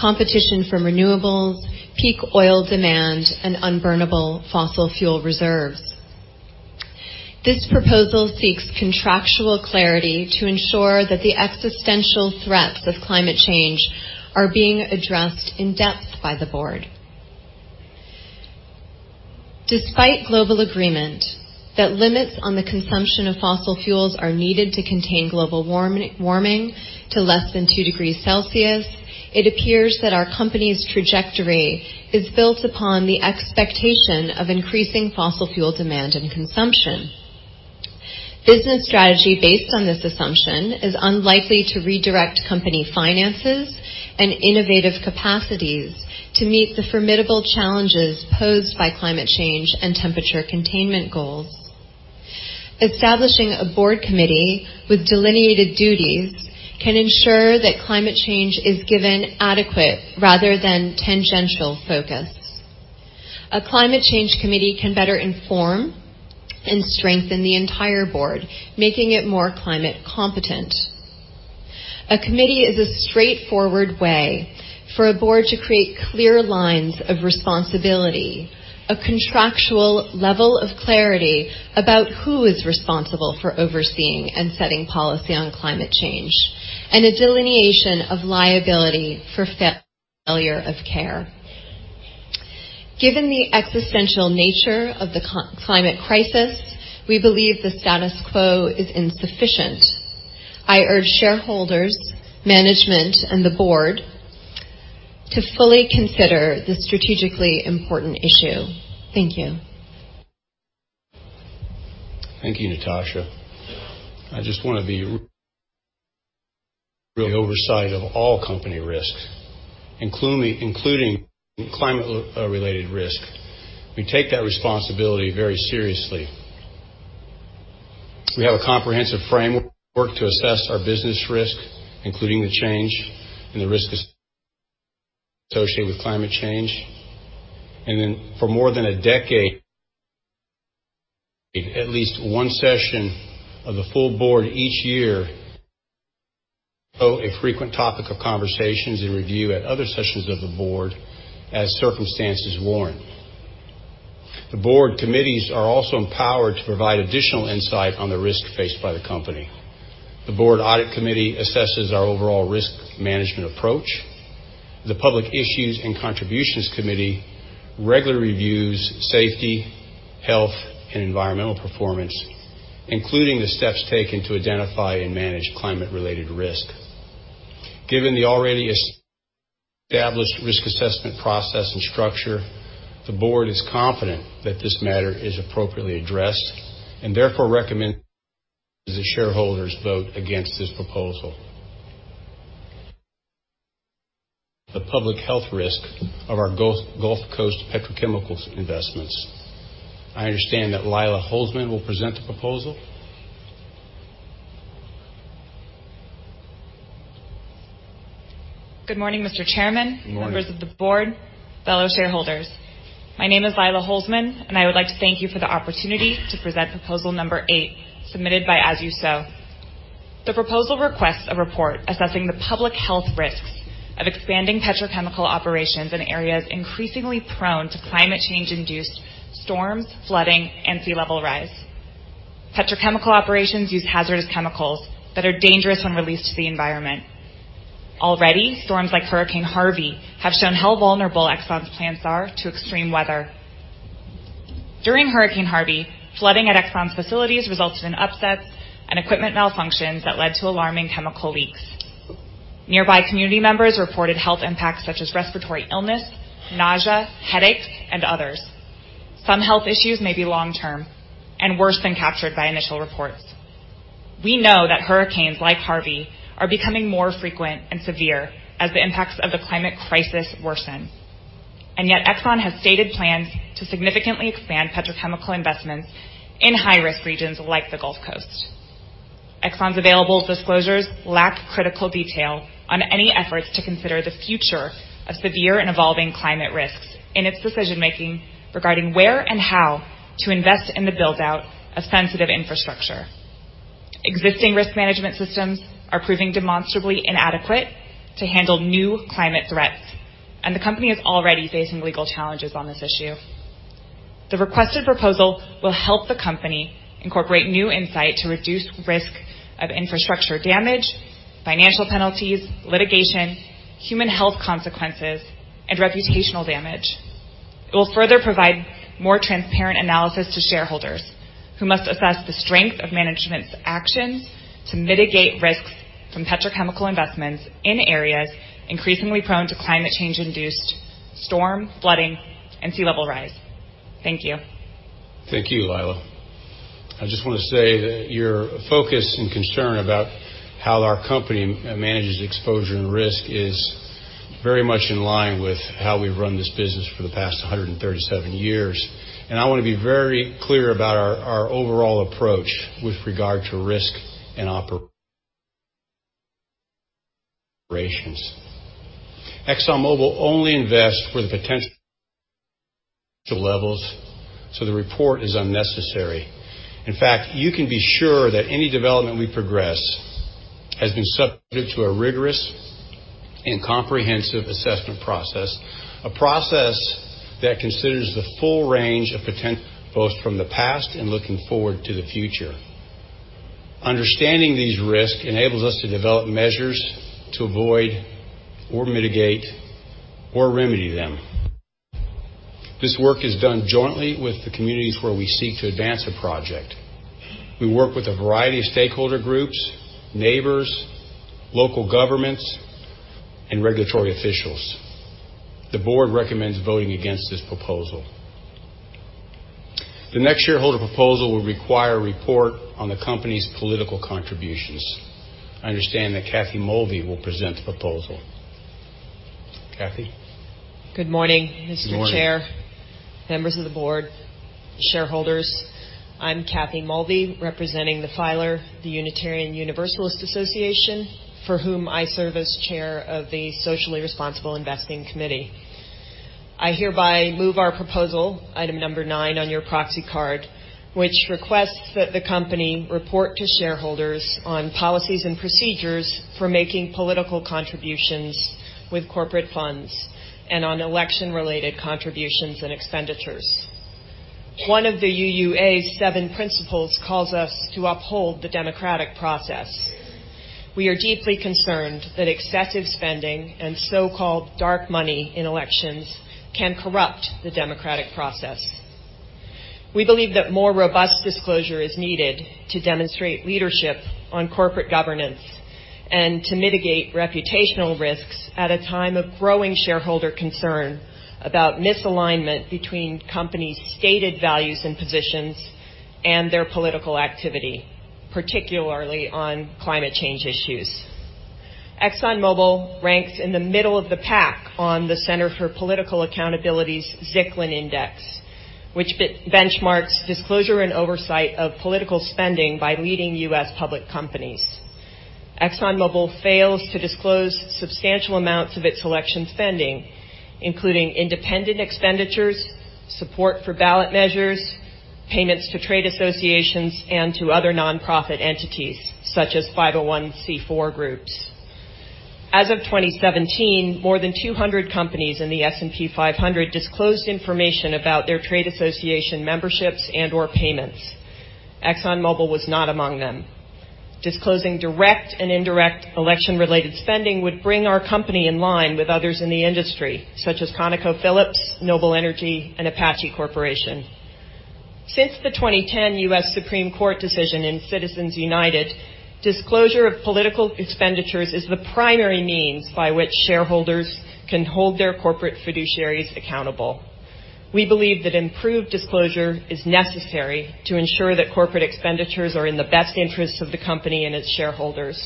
competition from renewables, peak oil demand, and unburnable fossil fuel reserves. This proposal seeks contractual clarity to ensure that the existential threats of climate change are being addressed in depth by the Board. Despite global agreement that limits on the consumption of fossil fuels are needed to contain global warming to less than two degrees Celsius, it appears that our company's trajectory is built upon the expectation of increasing fossil fuel demand and consumption. Business strategy based on this assumption is unlikely to redirect company finances and innovative capacities to meet the formidable challenges posed by climate change and temperature containment goals. Establishing a Board committee with delineated duties can ensure that climate change is given adequate rather than tangential focus. A climate change committee can better inform and strengthen the entire Board, making it more climate competent. A committee is a straightforward way for a Board to create clear lines of responsibility, a contractual level of clarity about who is responsible for overseeing and setting policy on climate change, and a delineation of liability for failure of care. Given the existential nature of the climate crisis, we believe the status quo is insufficient. I urge shareholders, management, and the Board to fully consider this strategically important issue. Thank you. Thank you, Natasha. I just want to be the oversight of all company risks, including climate-related risk. We take that responsibility very seriously. We have a comprehensive framework to assess our business risk, including the change and the risk associated with climate change. For more than a decade, at least one session of the full Board each year, so a frequent topic of conversations and review at other sessions of the Board as circumstances warrant. The Board committees are also empowered to provide additional insight on the risks faced by the company. The Board Audit Committee assesses our overall risk management approach. The Public Issues and Contributions Committee regularly reviews safety, health, and environmental performance, including the steps taken to identify and manage climate-related risk. Given the already established risk assessment process and structure, the Board is confident that this matter is appropriately addressed and therefore recommend the shareholders vote against this proposal. The public health risk of our Gulf Coast petrochemical investments. I understand that Lila Holzman will present the proposal. Good morning, Mr. Chairman. Good morning. Members of the board, fellow shareholders. My name is Lila Holzman, and I would like to thank you for the opportunity to present proposal number eight, submitted by As You Sow. The proposal requests a report assessing the public health risks of expanding petrochemical operations in areas increasingly prone to climate change-induced storms, flooding, and sea level rise. Petrochemical operations use hazardous chemicals that are dangerous when released to the environment. Already, storms like Hurricane Harvey have shown how vulnerable Exxon's plants are to extreme weather. During Hurricane Harvey, flooding at Exxon's facilities resulted in upsets and equipment malfunctions that led to alarming chemical leaks. Nearby community members reported health impacts such as respiratory illness, nausea, headaches, and others. Some health issues may be long-term and worse than captured by initial reports. We know that hurricanes like Harvey are becoming more frequent and severe as the impacts of the climate crisis worsen. Exxon has stated plans to significantly expand petrochemical investments in high-risk regions like the Gulf Coast. Exxon's available disclosures lack critical detail on any efforts to consider the future of severe and evolving climate risks in its decision-making regarding where and how to invest in the build-out of sensitive infrastructure. Existing risk management systems are proving demonstrably inadequate to handle new climate threats, and the company is already facing legal challenges on this issue. The requested proposal will help the company incorporate new insight to reduce risk of infrastructure damage, financial penalties, litigation, human health consequences, and reputational damage. It will further provide more transparent analysis to shareholders who must assess the strength of management's actions to mitigate risks from petrochemical investments in areas increasingly prone to climate change-induced storm, flooding, and sea level rise. Thank you. Thank you, Lila. I just want to say that your focus and concern about how our company manages exposure and risk is very much in line with how we've run this business for the past 137 years, and I want to be very clear about our overall approach with regard to risk and operations. ExxonMobil only invests where the potential levels, so the report is unnecessary. In fact, you can be sure that any development we progress has been subjected to a rigorous and comprehensive assessment process, a process that considers the full range of potential, both from the past and looking forward to the future. Understanding these risks enables us to develop measures to avoid or mitigate or remedy them. This work is done jointly with the communities where we seek to advance a project. We work with a variety of stakeholder groups, neighbors, local governments, and regulatory officials. The Board recommends voting against this proposal. The next shareholder proposal will require a report on the company's political contributions. I understand that Kathy Mulvey will present the proposal. Kathy? Good morning, Mr. Chair- Good morning members of the Board, shareholders. I'm Kathy Mulvey, representing the filer, the Unitarian Universalist Association, for whom I serve as Chair of the Socially Responsible Investing Committee. I hereby move our proposal, item number nine on your proxy card, which requests that the company report to shareholders on policies and procedures for making political contributions with corporate funds and on election-related contributions and expenditures. One of the UUA's seven principles calls us to uphold the democratic process. We are deeply concerned that excessive spending and so-called dark money in elections can corrupt the democratic process. We believe that more robust disclosure is needed to demonstrate leadership on corporate governance and to mitigate reputational risks at a time of growing shareholder concern about misalignment between companies' stated values and positions and their political activity, particularly on climate change issues. ExxonMobil ranks in the middle of the pack on the Center for Political Accountability's CPA-Zicklin Index, which benchmarks disclosure and oversight of political spending by leading U.S. public companies. ExxonMobil fails to disclose substantial amounts of its election spending, including independent expenditures, support for ballot measures, payments to trade associations, and to other nonprofit entities, such as 501(c)(4) groups. As of 2017, more than 200 companies in the S&P 500 disclosed information about their trade association memberships and/or payments. ExxonMobil was not among them. Disclosing direct and indirect election-related spending would bring our company in line with others in the industry, such as ConocoPhillips, Noble Energy, and Apache Corporation. Since the 2010 U.S. Supreme Court decision in Citizens United, disclosure of political expenditures is the primary means by which shareholders can hold their corporate fiduciaries accountable. We believe that improved disclosure is necessary to ensure that corporate expenditures are in the best interest of the company and its shareholders.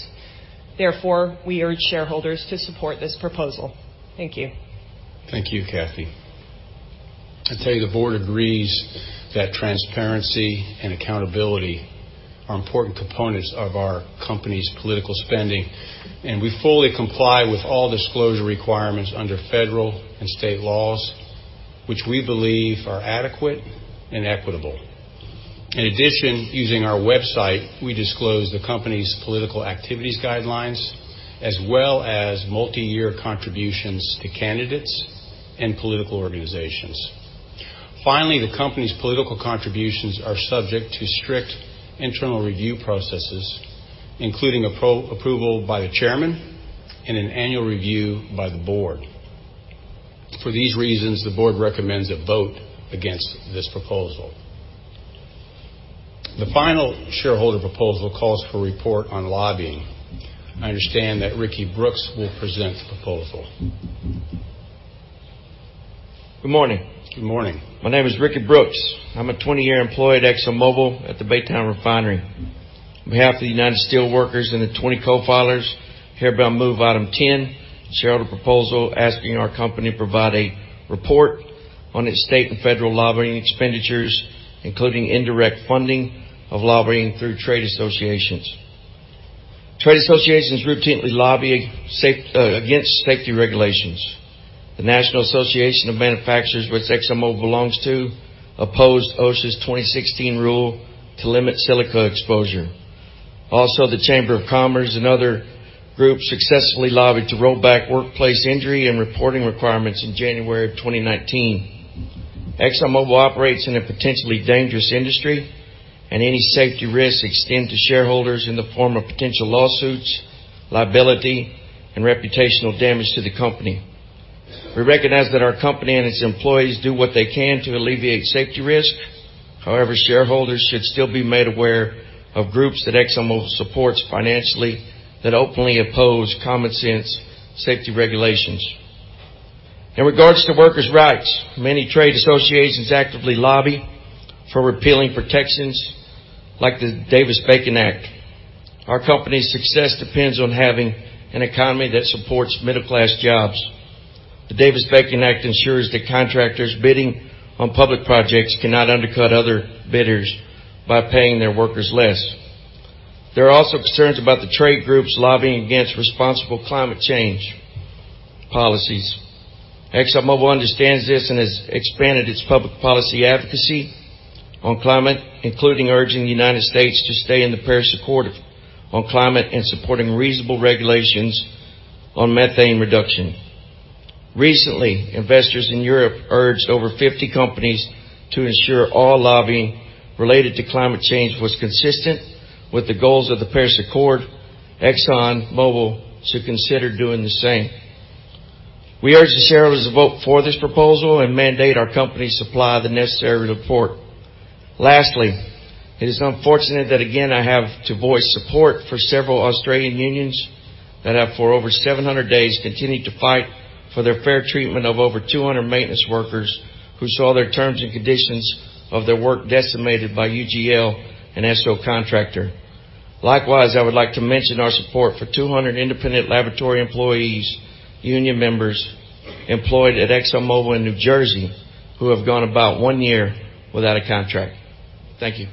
Therefore, we urge shareholders to support this proposal. Thank you. Thank you, Kathy. I tell you, the board agrees that transparency and accountability are important components of our company's political spending, and we fully comply with all disclosure requirements under federal and state laws, which we believe are adequate and equitable. In addition, using our website, we disclose the company's political activities guidelines, as well as multi-year contributions to candidates and political organizations. Finally, the company's political contributions are subject to strict internal review processes, including approval by the chairman and an annual review by the board. For these reasons, the board recommends a vote against this proposal. The final shareholder proposal calls for a report on lobbying. I understand that Ricky Brooks will present the proposal. Good morning. Good morning. My name is Ricky Brooks. I'm a 20-year employee at ExxonMobil at the Baytown Refinery. On behalf of the United Steelworkers and the 20 co-filers, hereby move item 10, shareholder proposal, asking our company to provide a report on its state and federal lobbying expenditures, including indirect funding of lobbying through trade associations. Trade associations routinely lobby against safety regulations. The National Association of Manufacturers, which ExxonMobil belongs to, opposed OSHA's 2016 rule to limit silica exposure. Also, the Chamber of Commerce and other groups successfully lobbied to roll back workplace injury and reporting requirements in January of 2019. ExxonMobil operates in a potentially dangerous industry, and any safety risks extend to shareholders in the form of potential lawsuits, liability, and reputational damage to the company. We recognize that our company and its employees do what they can to alleviate safety risks. Shareholders should still be made aware of groups that ExxonMobil supports financially that openly oppose common-sense safety regulations. In regards to workers' rights, many trade associations actively lobby for repealing protections like the Davis-Bacon Act. Our company's success depends on having an economy that supports middle-class jobs. The Davis-Bacon Act ensures that contractors bidding on public projects cannot undercut other bidders by paying their workers less. There are also concerns about the trade groups lobbying against responsible climate change policies. ExxonMobil understands this and has expanded its public policy advocacy on climate, including urging the U.S. to stay in the Paris Accord on climate and supporting reasonable regulations on methane reduction. Recently, investors in Europe urged over 50 companies to ensure all lobbying related to climate change was consistent with the goals of the Paris Accord. ExxonMobil should consider doing the same. We urge the shareholders to vote for this proposal and mandate our company supply the necessary report. Lastly, it is unfortunate that again, I have to voice support for several Australian unions that have for over 700 days continued to fight for their fair treatment of over 200 maintenance workers who saw their terms and conditions of their work decimated by UGL, an Esso contractor. Likewise, I would like to mention our support for 200 independent laboratory employees, union members employed at ExxonMobil in New Jersey, who have gone about one year without a contract. Thank you.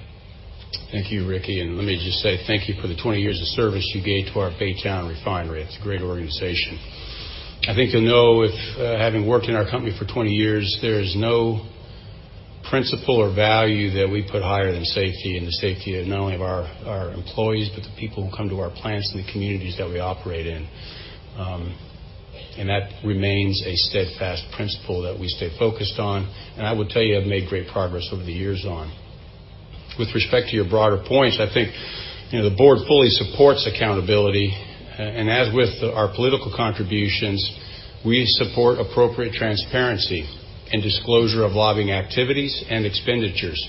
Thank you, Ricky, and let me just say thank you for the 20 years of service you gave to our Baytown Refinery. It's a great organization. I think you'll know with having worked in our company for 20 years, there is no principle or value that we put higher than safety and the safety of not only our employees, but the people who come to our plants and the communities that we operate in. That remains a steadfast principle that we stay focused on, and I would tell you have made great progress over the years on. With respect to your broader points, I think the Board fully supports accountability. As with our political contributions, we support appropriate transparency and disclosure of lobbying activities and expenditures.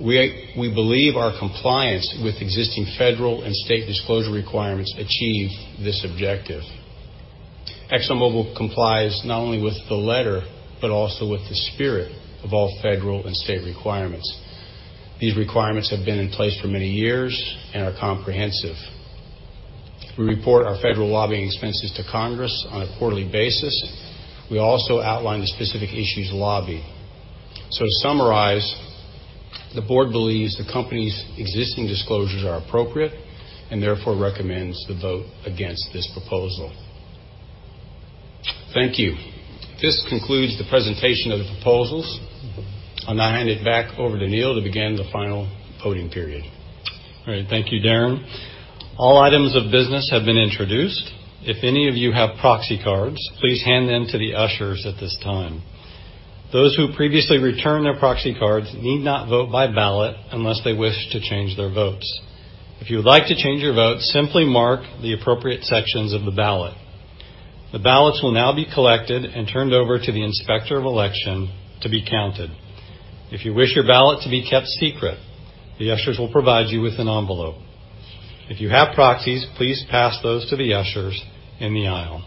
We believe our compliance with existing federal and state disclosure requirements achieve this objective. ExxonMobil complies not only with the letter, but also with the spirit of all federal and state requirements. These requirements have been in place for many years and are comprehensive. We report our federal lobbying expenses to Congress on a quarterly basis. We also outline the specific issues lobby. To summarize, the Board believes the company's existing disclosures are appropriate and therefore recommends the vote against this proposal. Thank you. This concludes the presentation of the proposals. I'll now hand it back over to Neil to begin the final voting period. All right. Thank you, Darren. All items of business have been introduced. If any of you have proxy cards, please hand them to the ushers at this time. Those who previously returned their proxy cards need not vote by ballot unless they wish to change their votes. If you would like to change your vote, simply mark the appropriate sections of the ballot. The ballots will now be collected and turned over to the Inspector of Election to be counted. If you wish your ballot to be kept secret, the ushers will provide you with an envelope. If you have proxies, please pass those to the ushers in the aisle.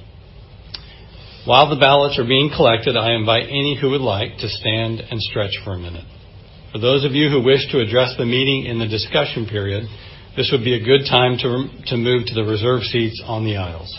While the ballots are being collected, I invite any who would like to stand and stretch for a minute. For those of you who wish to address the meeting in the discussion period, this would be a good time to move to the reserve seats on the aisles.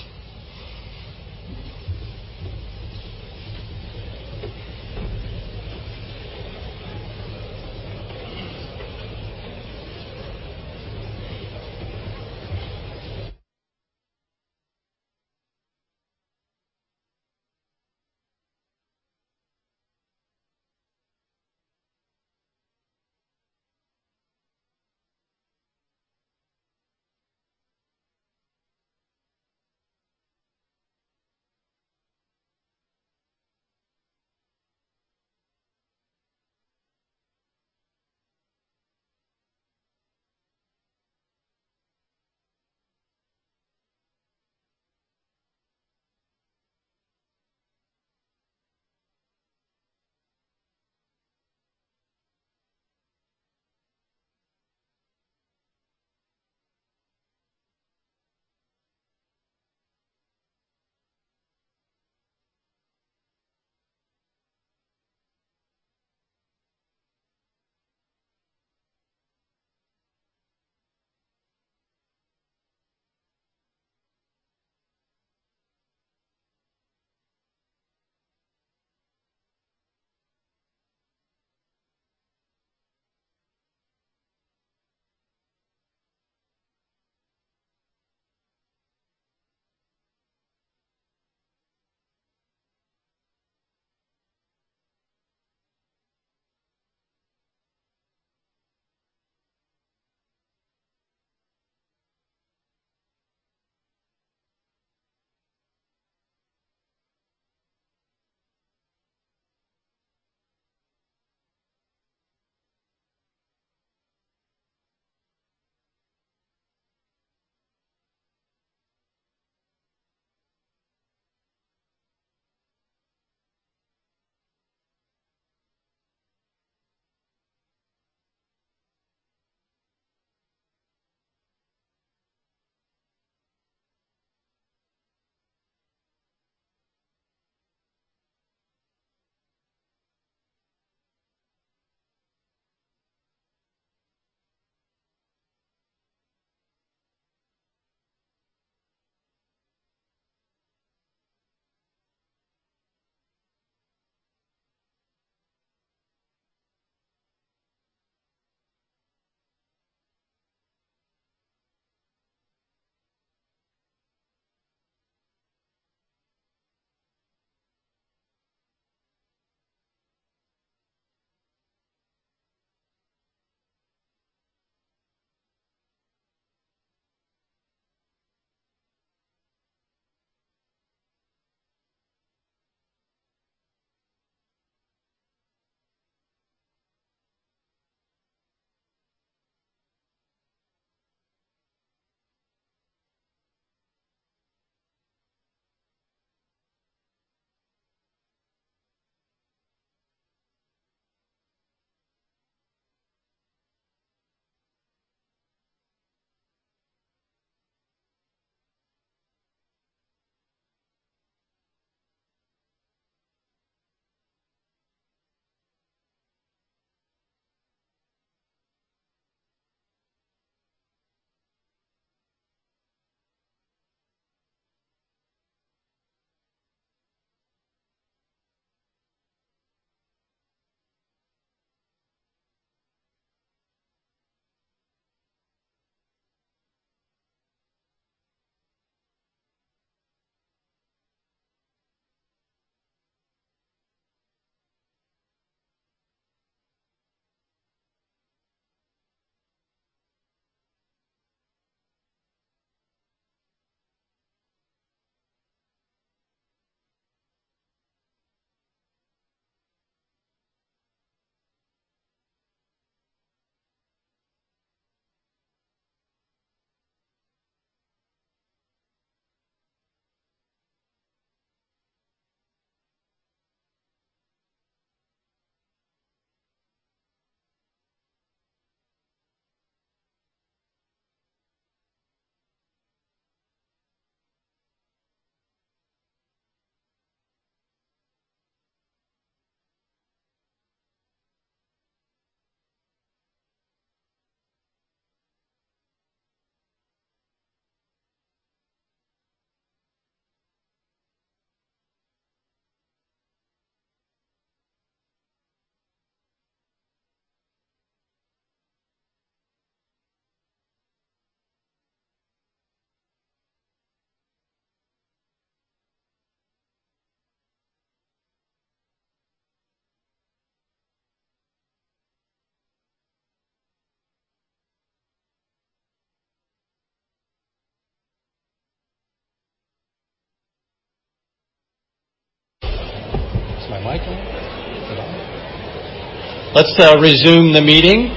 Is my mic on? Is it on? Let's resume the meeting.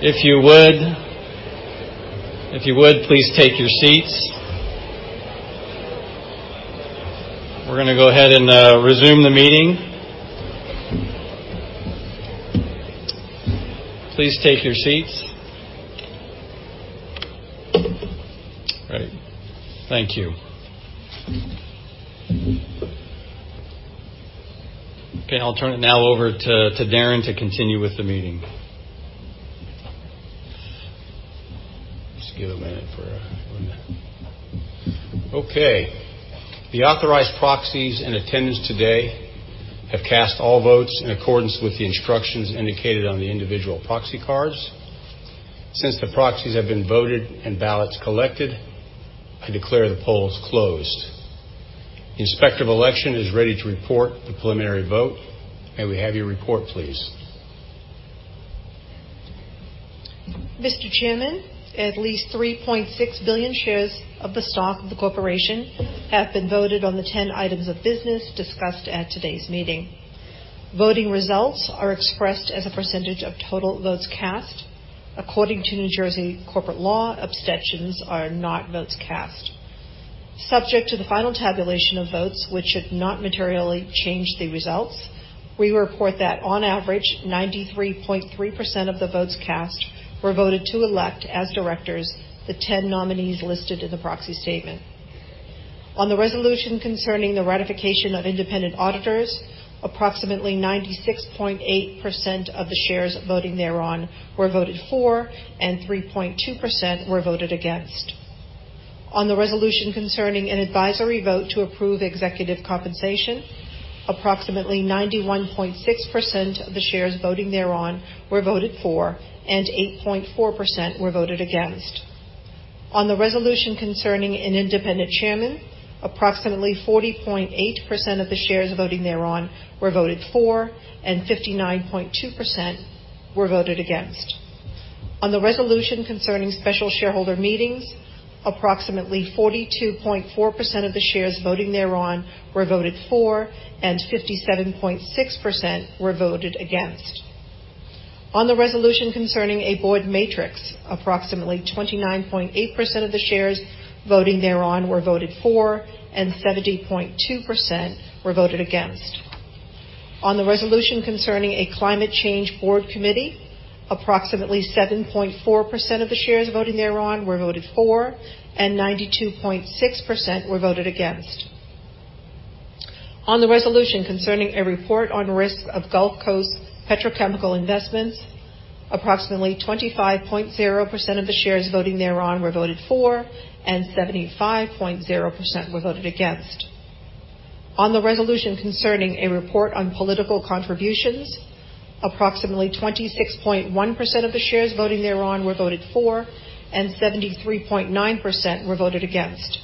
If you would, please take your seats. We're going to go ahead and resume the meeting. Please take your seats. Great. Thank you. Okay. I'll turn it now over to Darren to continue with the meeting. Okay. The authorized proxies in attendance today have cast all votes in accordance with the instructions indicated on the individual proxy cards. Since the proxies have been voted and ballots collected, I declare the polls closed. Inspector of Election is ready to report the preliminary vote. May we have your report, please? Mr. Chairman, at least 3.6 billion shares of the stock of the corporation have been voted on the 10 items of business discussed at today's meeting. Voting results are expressed as a percentage of total votes cast. According to New Jersey corporate law, abstentions are not votes cast. Subject to the final tabulation of votes, which should not materially change the results, we report that on average, 93.3% of the votes cast were voted to elect as directors the 10 nominees listed in the proxy statement. On the resolution concerning the ratification of independent auditors, approximately 96.8% of the shares voting thereon were voted for, and 3.2% were voted against. On the resolution concerning an advisory vote to approve executive compensation, approximately 91.6% of the shares voting thereon were voted for, and 8.4% were voted against. On the resolution concerning an independent chairman, approximately 40.8% of the shares voting thereon were voted for, and 59.2% were voted against. On the resolution concerning special shareholder meetings, approximately 42.4% of the shares voting thereon were voted for, and 57.6% were voted against. On the resolution concerning a board matrix, approximately 29.8% of the shares voting thereon were voted for, and 70.2% were voted against. On the resolution concerning a climate change board committee, approximately 7.4% of the shares voting thereon were voted for, and 92.6% were voted against. On the resolution concerning a report on risk of Gulf Coast petrochemical investments, approximately 25.0% of the shares voting thereon were voted for, and 75.0% were voted against. On the resolution concerning a report on political contributions, approximately 26.1% of the shares voting thereon were voted for, and 73.9% were voted against.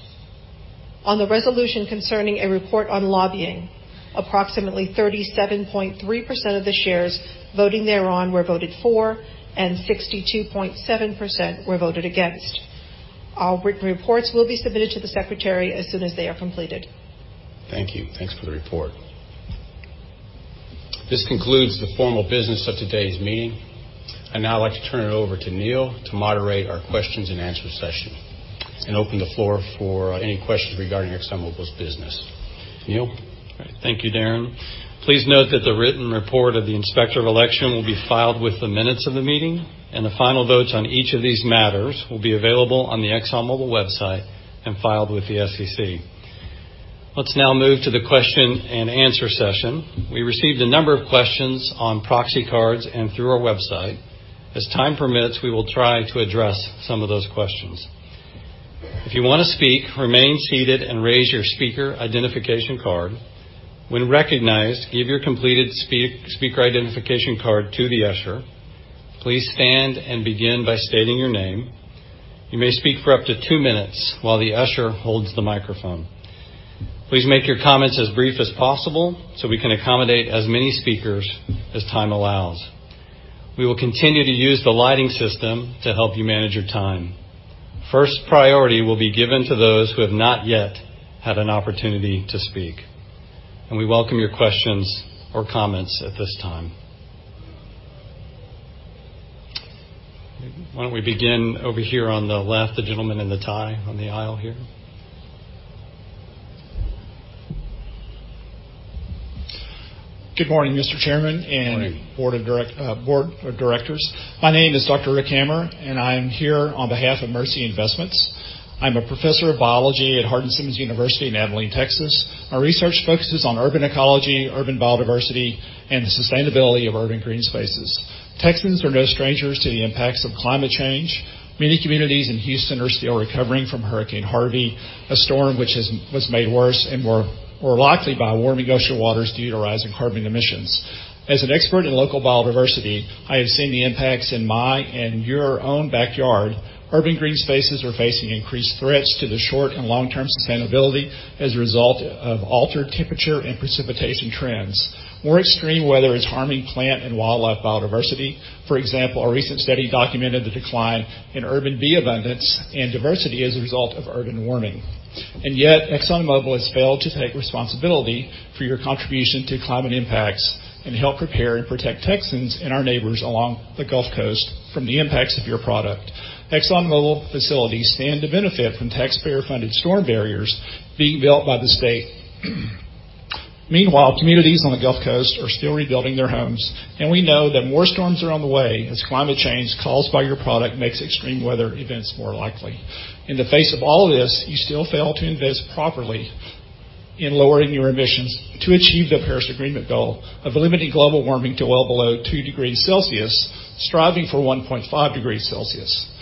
On the resolution concerning a report on lobbying, approximately 37.3% of the shares voting thereon were voted for, and 62.7% were voted against. All written reports will be submitted to the Secretary as soon as they are completed. Thank you. Thanks for the report. This concludes the formal business of today's meeting. I'd now like to turn it over to Neil to moderate our questions and answer session and open the floor for any questions regarding ExxonMobil's business. Neil? All right. Thank you, Darren. Please note that the written report of the Inspector of Election will be filed with the minutes of the meeting, and the final votes on each of these matters will be available on the exxonmobil.com website and filed with the SEC. Let's now move to the question and answer session. We received a number of questions on proxy cards and through our website. As time permits, we will try to address some of those questions. If you want to speak, remain seated and raise your speaker identification card. When recognized, give your completed speaker identification card to the usher. Please stand and begin by stating your name. You may speak for up to two minutes while the usher holds the microphone. Please make your comments as brief as possible so we can accommodate as many speakers as time allows. We will continue to use the lighting system to help you manage your time. First priority will be given to those who have not yet had an opportunity to speak. We welcome your questions or comments at this time. Why don't we begin over here on the left, the gentleman in the tie on the aisle here. Good morning, Mr. Chairman. Morning and board of directors. My name is Dr. Rick Hammer, and I am here on behalf of Mercy Investments. I am a professor of biology at Hardin-Simmons University in Abilene, Texas. My research focuses on urban ecology, urban biodiversity, and the sustainability of urban green spaces. Texans are no strangers to the impacts of climate change. Many communities in Houston are still recovering from Hurricane Harvey, a storm which was made worse and more likely by warming ocean waters due to rising carbon emissions. As an expert in local biodiversity, I have seen the impacts in my and your own backyard. Urban green spaces are facing increased threats to the short and long-term sustainability as a result of altered temperature and precipitation trends. More extreme weather is harming plant and wildlife biodiversity. For example, a recent study documented the decline in urban bee abundance and diversity as a result of urban warming. Yet, ExxonMobil has failed to take responsibility for your contribution to climate impacts and help prepare and protect Texans and our neighbors along the Gulf Coast from the impacts of your product. ExxonMobil facilities stand to benefit from taxpayer-funded storm barriers being built by the state. Meanwhile, communities on the Gulf Coast are still rebuilding their homes, and we know that more storms are on the way as climate change caused by your product makes extreme weather events more likely. In the face of all this, you still fail to invest properly in lowering your emissions to achieve the Paris Agreement goal of limiting global warming to well below 2 degrees Celsius, striving for 1.5 degrees Celsius.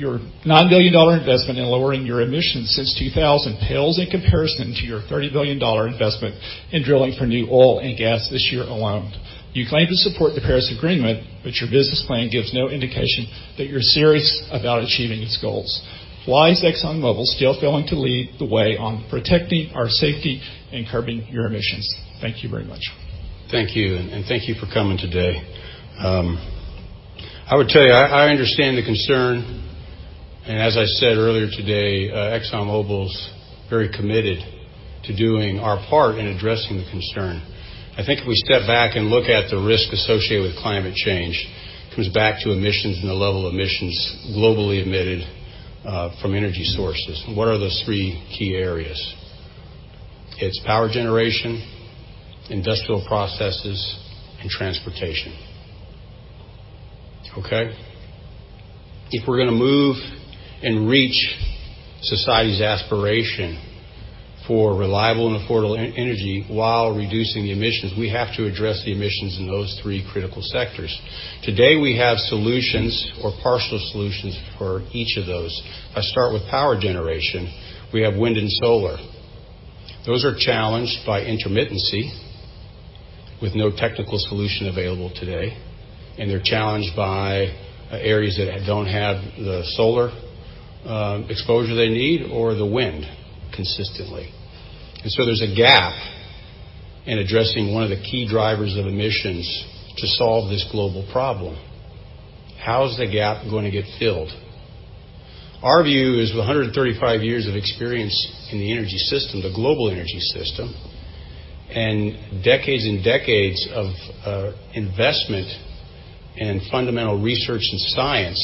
Your $9 billion investment in lowering your emissions since 2000 pales in comparison to your $30 billion investment in drilling for new oil and gas this year alone. You claim to support the Paris Agreement, but your business plan gives no indication that you are serious about achieving its goals. Why is ExxonMobil still failing to lead the way on protecting our safety and curbing your emissions? Thank you very much. Thank you. Thank you for coming today. I would tell you, I understand the concern, and as I said earlier today, ExxonMobil is very committed to doing our part in addressing the concern. I think if we step back and look at the risk associated with climate change, it comes back to emissions and the level of emissions globally emitted from energy sources. What are those three key areas? It is power generation, industrial processes, and transportation. Okay? If we are going to move and reach society's aspiration for reliable and affordable energy while reducing the emissions, we have to address the emissions in those three critical sectors. Today, we have solutions or partial solutions for each of those. I start with power generation. We have wind and solar. Those are challenged by intermittency with no technical solution available today. They're challenged by areas that don't have the solar exposure they need or the wind consistently. There's a gap in addressing one of the key drivers of emissions to solve this global problem. How is the gap going to get filled? Our view is with 135 years of experience in the energy system, the global energy system, and decades and decades of investment in fundamental research and science,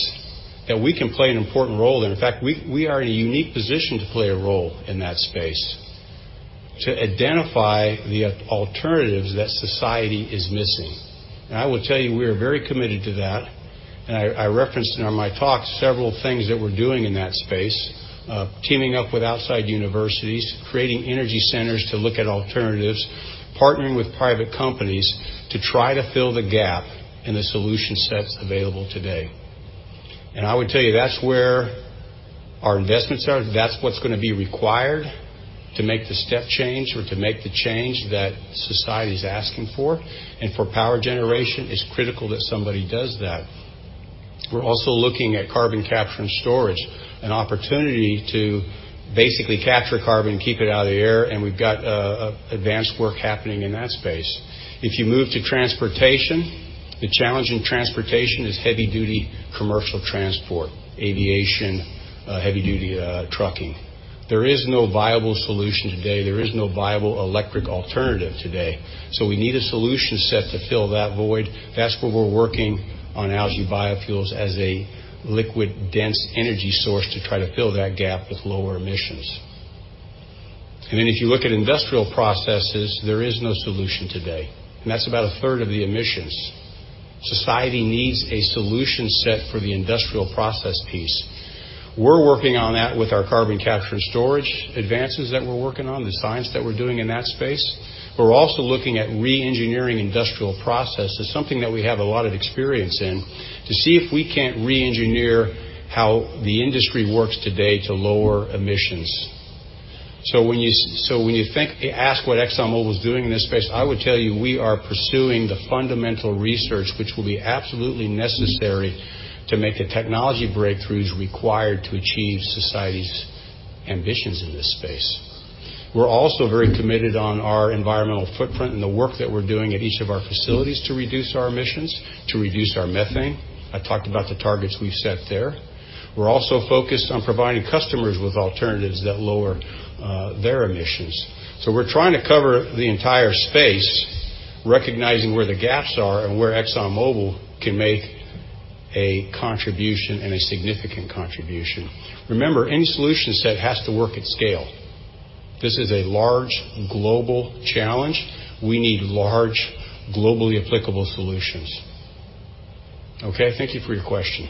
that we can play an important role there. In fact, we are in a unique position to play a role in that space to identify the alternatives that society is missing. I will tell you, we are very committed to that, and I referenced in my talk several things that we're doing in that space. Teaming up with outside universities, creating energy centers to look at alternatives, partnering with private companies to try to fill the gap in the solution sets available today. I would tell you, that's where our investments are. That's what's going to be required to make the step change or to make the change that society's asking for. For power generation, it's critical that somebody does that. We're also looking at carbon capture and storage, an opportunity to basically capture carbon, keep it out of the air, and we've got advanced work happening in that space. If you move to transportation, the challenge in transportation is heavy-duty commercial transport, aviation, heavy-duty trucking. There is no viable solution today. There is no viable electric alternative today. We need a solution set to fill that void. That's where we're working on algae biofuels as a liquid dense energy source to try to fill that gap with lower emissions. If you look at industrial processes, there is no solution today, and that's about a third of the emissions. Society needs a solution set for the industrial process piece. We're working on that with our carbon capture and storage advances that we're working on, the science that we're doing in that space. We're also looking at re-engineering industrial processes, something that we have a lot of experience in, to see if we can't re-engineer how the industry works today to lower emissions. When you ask what ExxonMobil is doing in this space, I would tell you we are pursuing the fundamental research which will be absolutely necessary to make the technology breakthroughs required to achieve society's ambitions in this space. We're also very committed on our environmental footprint and the work that we're doing at each of our facilities to reduce our emissions, to reduce our methane. I talked about the targets we've set there. We're also focused on providing customers with alternatives that lower their emissions. We're trying to cover the entire space, recognizing where the gaps are and where ExxonMobil can make a contribution and a significant contribution. Remember, any solution set has to work at scale. This is a large global challenge. We need large, globally applicable solutions. Okay, thank you for your question.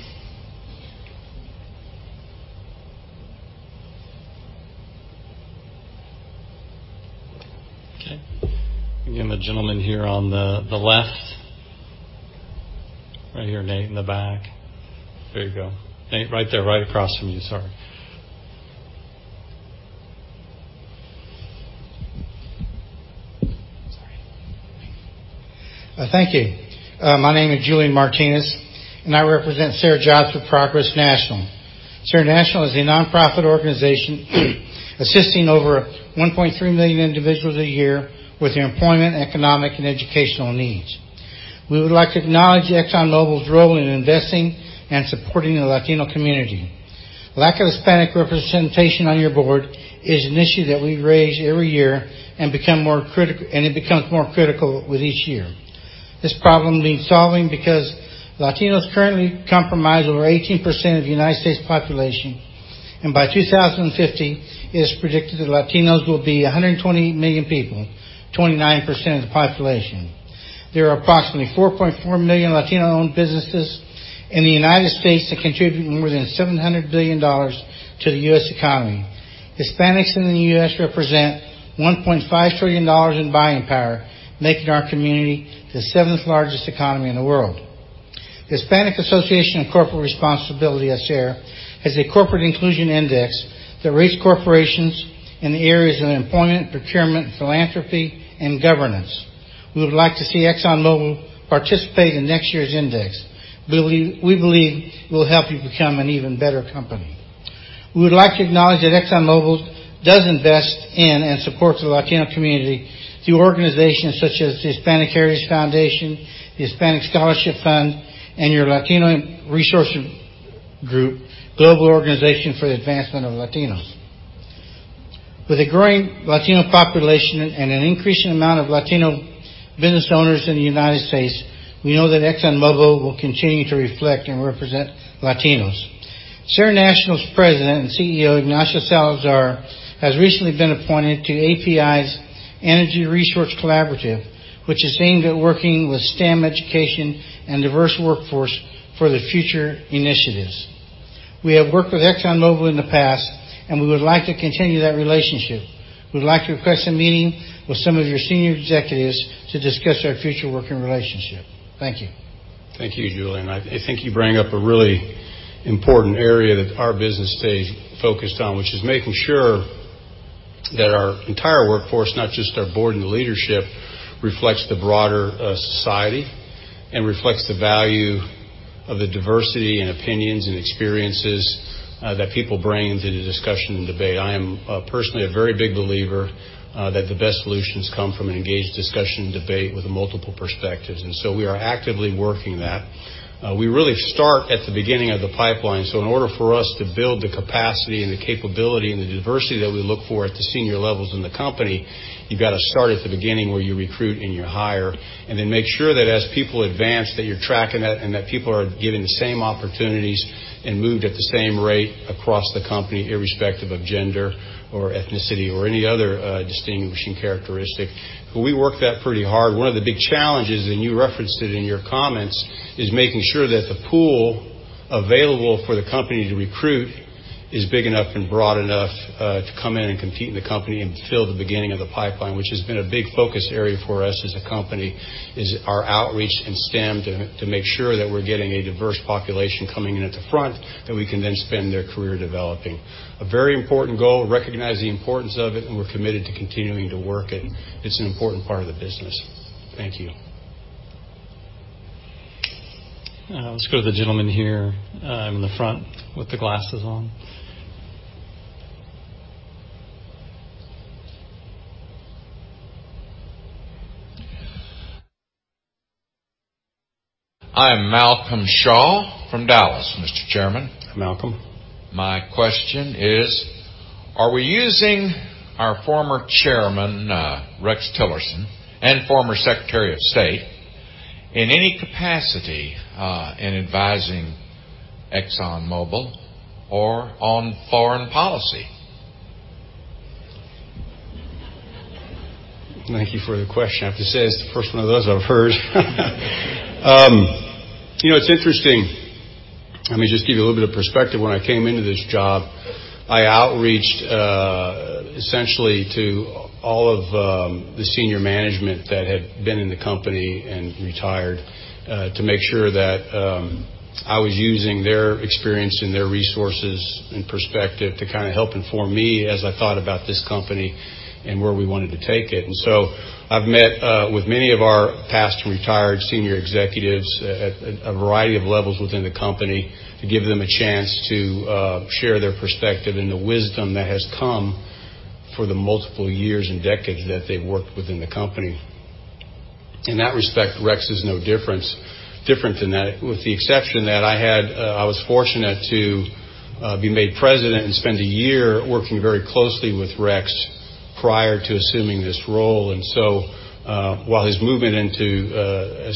Okay. Again, the gentleman here on the left. Right here, Nate, in the back. There you go. Nate, right there, right across from you. Sorry. Sorry. Thank you. My name is Julian Martinez. I represent SER-Jobs for Progress National. SER National is a non-profit organization assisting over 1.3 million individuals a year with their employment, economic, and educational needs. We would like to acknowledge ExxonMobil's role in investing and supporting the Latino community. Lack of Hispanic representation on your board is an issue that we raise every year. It becomes more critical with each year. This problem needs solving because Latinos currently compromise over 18% of the U.S. population. By 2050, it is predicted that Latinos will be 120 million people, 29% of the population. There are approximately 4.4 million Latino-owned businesses in the U.S. that contribute more than $700 billion to the U.S. economy. Hispanics in the U.S. represent $1.5 trillion in buying power, making our community the seventh largest economy in the world. The Hispanic Association on Corporate Responsibility, as shared, has a corporate inclusion index that rates corporations in the areas of employment, procurement, philanthropy, and governance. We would like to see ExxonMobil participate in next year's index. We believe it will help you become an even better company. We would like to acknowledge that ExxonMobil does invest in and support the Latino community through organizations such as the Hispanic Heritage Foundation, the Hispanic Scholarship Fund, and your Latino resource group, Global Organization for the Advancement of Latinos. With a growing Latino population and an increasing amount of Latino business owners in the U.S., we know that ExxonMobil will continue to reflect and represent Latinos. SER National's president and CEO, Ignacio Salazar, has recently been appointed to API's Energy Resource Collaborative, which is aimed at working with STEM education and diverse workforce for the future initiatives. We have worked with ExxonMobil in the past. We would like to continue that relationship. We'd like to request a meeting with some of your senior executives to discuss our future working relationship. Thank you. Thank you, Julian. I think you bring up a really important area that our business stays focused on, which is making sure that our entire workforce, not just our board and the leadership, reflects the broader society and reflects the value of the diversity and opinions and experiences that people bring into the discussion and debate. I am personally a very big believer that the best solutions come from an engaged discussion and debate with multiple perspectives. We are actively working that. We really start at the beginning of the pipeline. In order for us to build the capacity and the capability and the diversity that we look for at the senior levels in the company, you've got to start at the beginning where you recruit and you hire, and then make sure that as people advance, that you're tracking that, and that people are given the same opportunities and moved at the same rate across the company, irrespective of gender or ethnicity or any other distinguishing characteristic. We work that pretty hard. One of the big challenges, and you referenced it in your comments, is making sure that the pool available for the company to recruit is big enough and broad enough to come in and compete in the company and fill the beginning of the pipeline, which has been a big focus area for us as a company is our outreach in STEM to make sure that we're getting a diverse population coming in at the front that we can then spend their career developing. A very important goal. We recognize the importance of it, and we're committed to continuing to work it. It's an important part of the business. Thank you. Let's go to the gentleman here in the front with the glasses on. I am Malcolm Shaw from Dallas, Mr. Chairman. Malcolm. My question is, are we using our former chairman, Rex Tillerson, and former Secretary of State, in any capacity in advising ExxonMobil or on foreign policy? Thank you for the question. I have to say, that's the first one of those I've heard. It's interesting. Let me just give you a little bit of perspective. When I came into this job, I outreached, essentially, to all of the senior management that had been in the company and retired, to make sure that I was using their experience and their resources and perspective to help inform me as I thought about this company and where we wanted to take it. I've met with many of our past retired senior executives at a variety of levels within the company to give them a chance to share their perspective and the wisdom that has come for the multiple years and decades that they've worked within the company. In that respect, Rex is no different than that, with the exception that I was fortunate to be made president and spend a year working very closely with Rex prior to assuming this role. While his movement into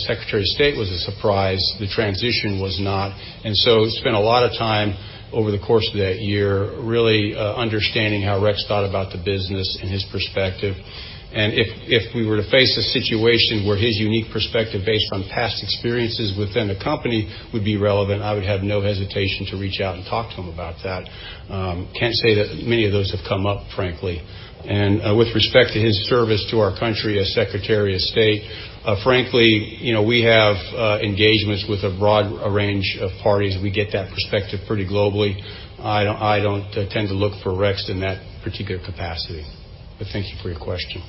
Secretary of State was a surprise, the transition was not. Spent a lot of time over the course of that year really understanding how Rex thought about the business and his perspective. If we were to face a situation where his unique perspective based on past experiences within the company would be relevant, I would have no hesitation to reach out and talk to him about that. Can't say that many of those have come up, frankly. With respect to his service to our country as Secretary of State, frankly, we have engagements with a broad range of parties. We get that perspective pretty globally. I don't tend to look for Rex in that particular capacity. Thank you for your question.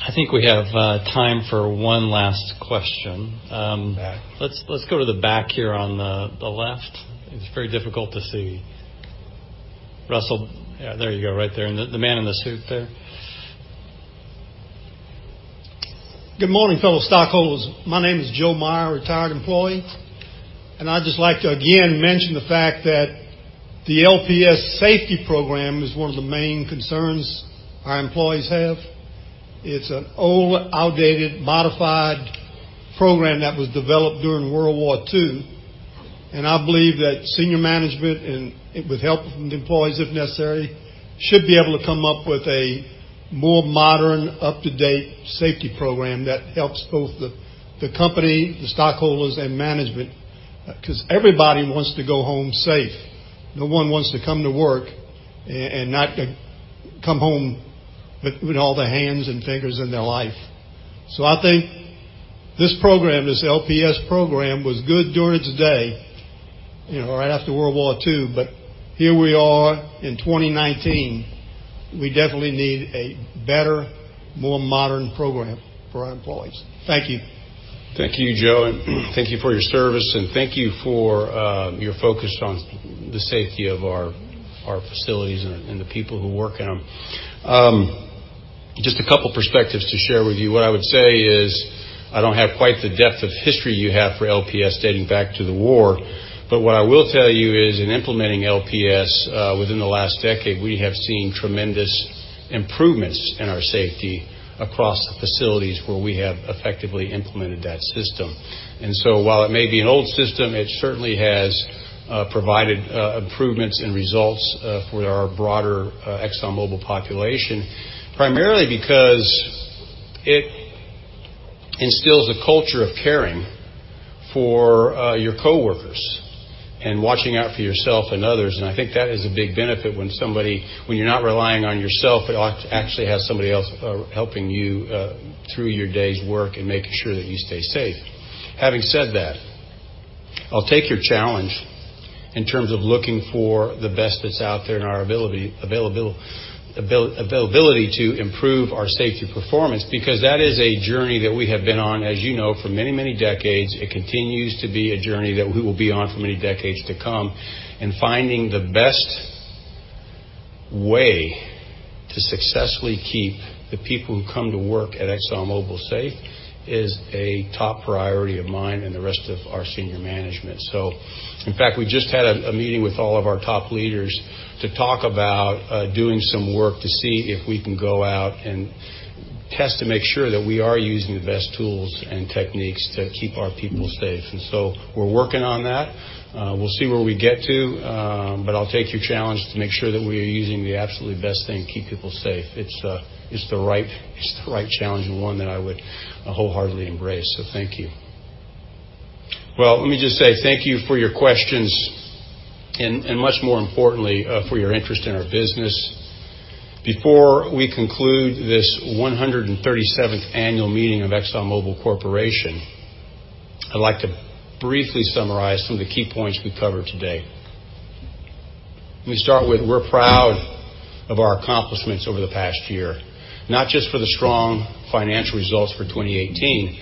I think we have time for one last question. In the back. Let's go to the back here on the left. It is very difficult to see. Russell. Yeah, there you go, right there. The man in the suit there. Good morning, fellow stockholders. My name is Joe Meyer, retired employee. I'd just like to, again, mention the fact that the LPS safety program is one of the main concerns our employees have. It is an old, outdated, modified program that was developed during World War II, and I believe that senior management, and with help from the employees if necessary, should be able to come up with a more modern, up-to-date safety program that helps both the company, the stockholders, and management, because everybody wants to go home safe. No one wants to come to work and not come home with all their hands and fingers and their life. I think this program, this LPS program, was good during the day, right after World War II, but here we are in 2019. We definitely need a better, more modern program for our employees. Thank you. Thank you, Joe. Thank you for your service, and thank you for your focus on the safety of our facilities and the people who work in them. Just a couple perspectives to share with you. What I would say is, I don't have quite the depth of history you have for LPS dating back to the war. What I will tell you is, in implementing LPS within the last decade, we have seen tremendous improvements in our safety across the facilities where we have effectively implemented that system. While it may be an old system, it certainly has provided improvements in results for our broader ExxonMobil population, primarily because it instills a culture of caring for your coworkers and watching out for yourself and others, and I think that is a big benefit when you're not relying on yourself but actually have somebody else helping you through your day's work and making sure that you stay safe. Having said that, I'll take your challenge in terms of looking for the best that's out there and our availability to improve our safety performance, because that is a journey that we have been on, as you know, for many, many decades. It continues to be a journey that we will be on for many decades to come. Finding the best way to successfully keep the people who come to work at ExxonMobil safe is a top priority of mine and the rest of our senior management. In fact, we just had a meeting with all of our top leaders to talk about doing some work to see if we can go out and test to make sure that we are using the best tools and techniques to keep our people safe. We're working on that. We'll see where we get to. I'll take your challenge to make sure that we are using the absolutely best thing to keep people safe. It's the right challenge and one that I would wholeheartedly embrace, so thank you. Let me just say thank you for your questions, and much more importantly, for your interest in our business. Before we conclude this 137th annual meeting of ExxonMobil Corporation, I'd like to briefly summarize some of the key points we covered today. Let me start with we're proud of our accomplishments over the past year, not just for the strong financial results for 2018,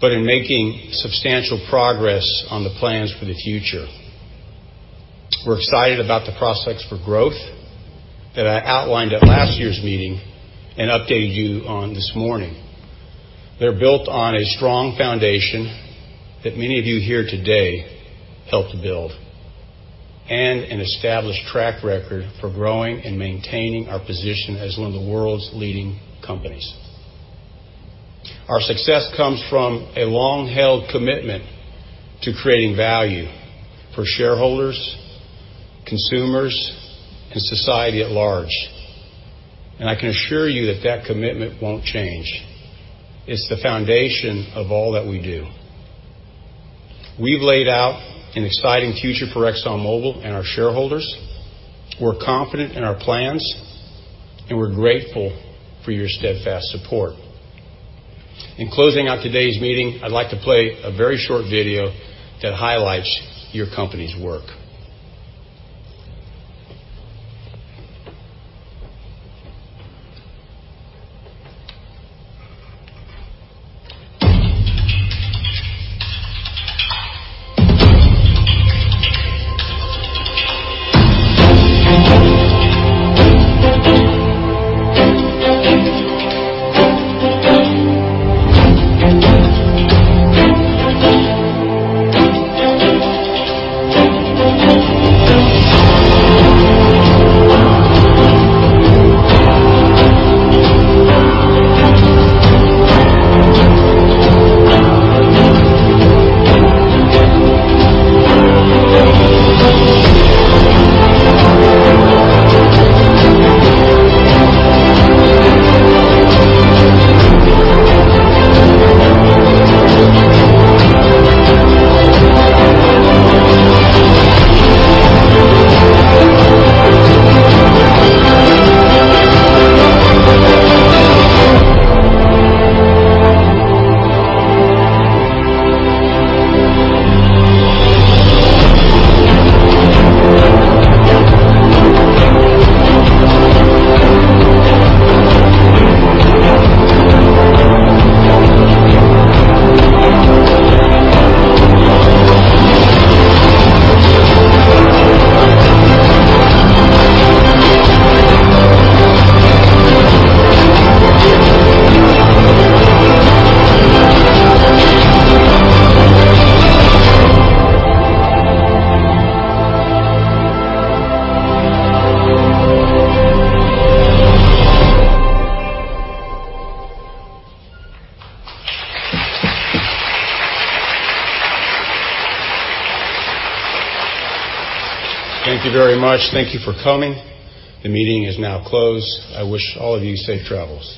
but in making substantial progress on the plans for the future. We're excited about the prospects for growth that I outlined at last year's meeting and updated you on this morning. They're built on a strong foundation that many of you here today helped build, and an established track record for growing and maintaining our position as one of the world's leading companies. Our success comes from a long-held commitment to creating value for shareholders, consumers, and society at large, I can assure you that commitment won't change. It's the foundation of all that we do. We've laid out an exciting future for ExxonMobil and our shareholders. We're confident in our plans, we're grateful for your steadfast support. In closing out today's meeting, I'd like to play a very short video that highlights your company's work. Thank you very much. Thank you for coming. The meeting is now closed. I wish all of you safe travels. Good day.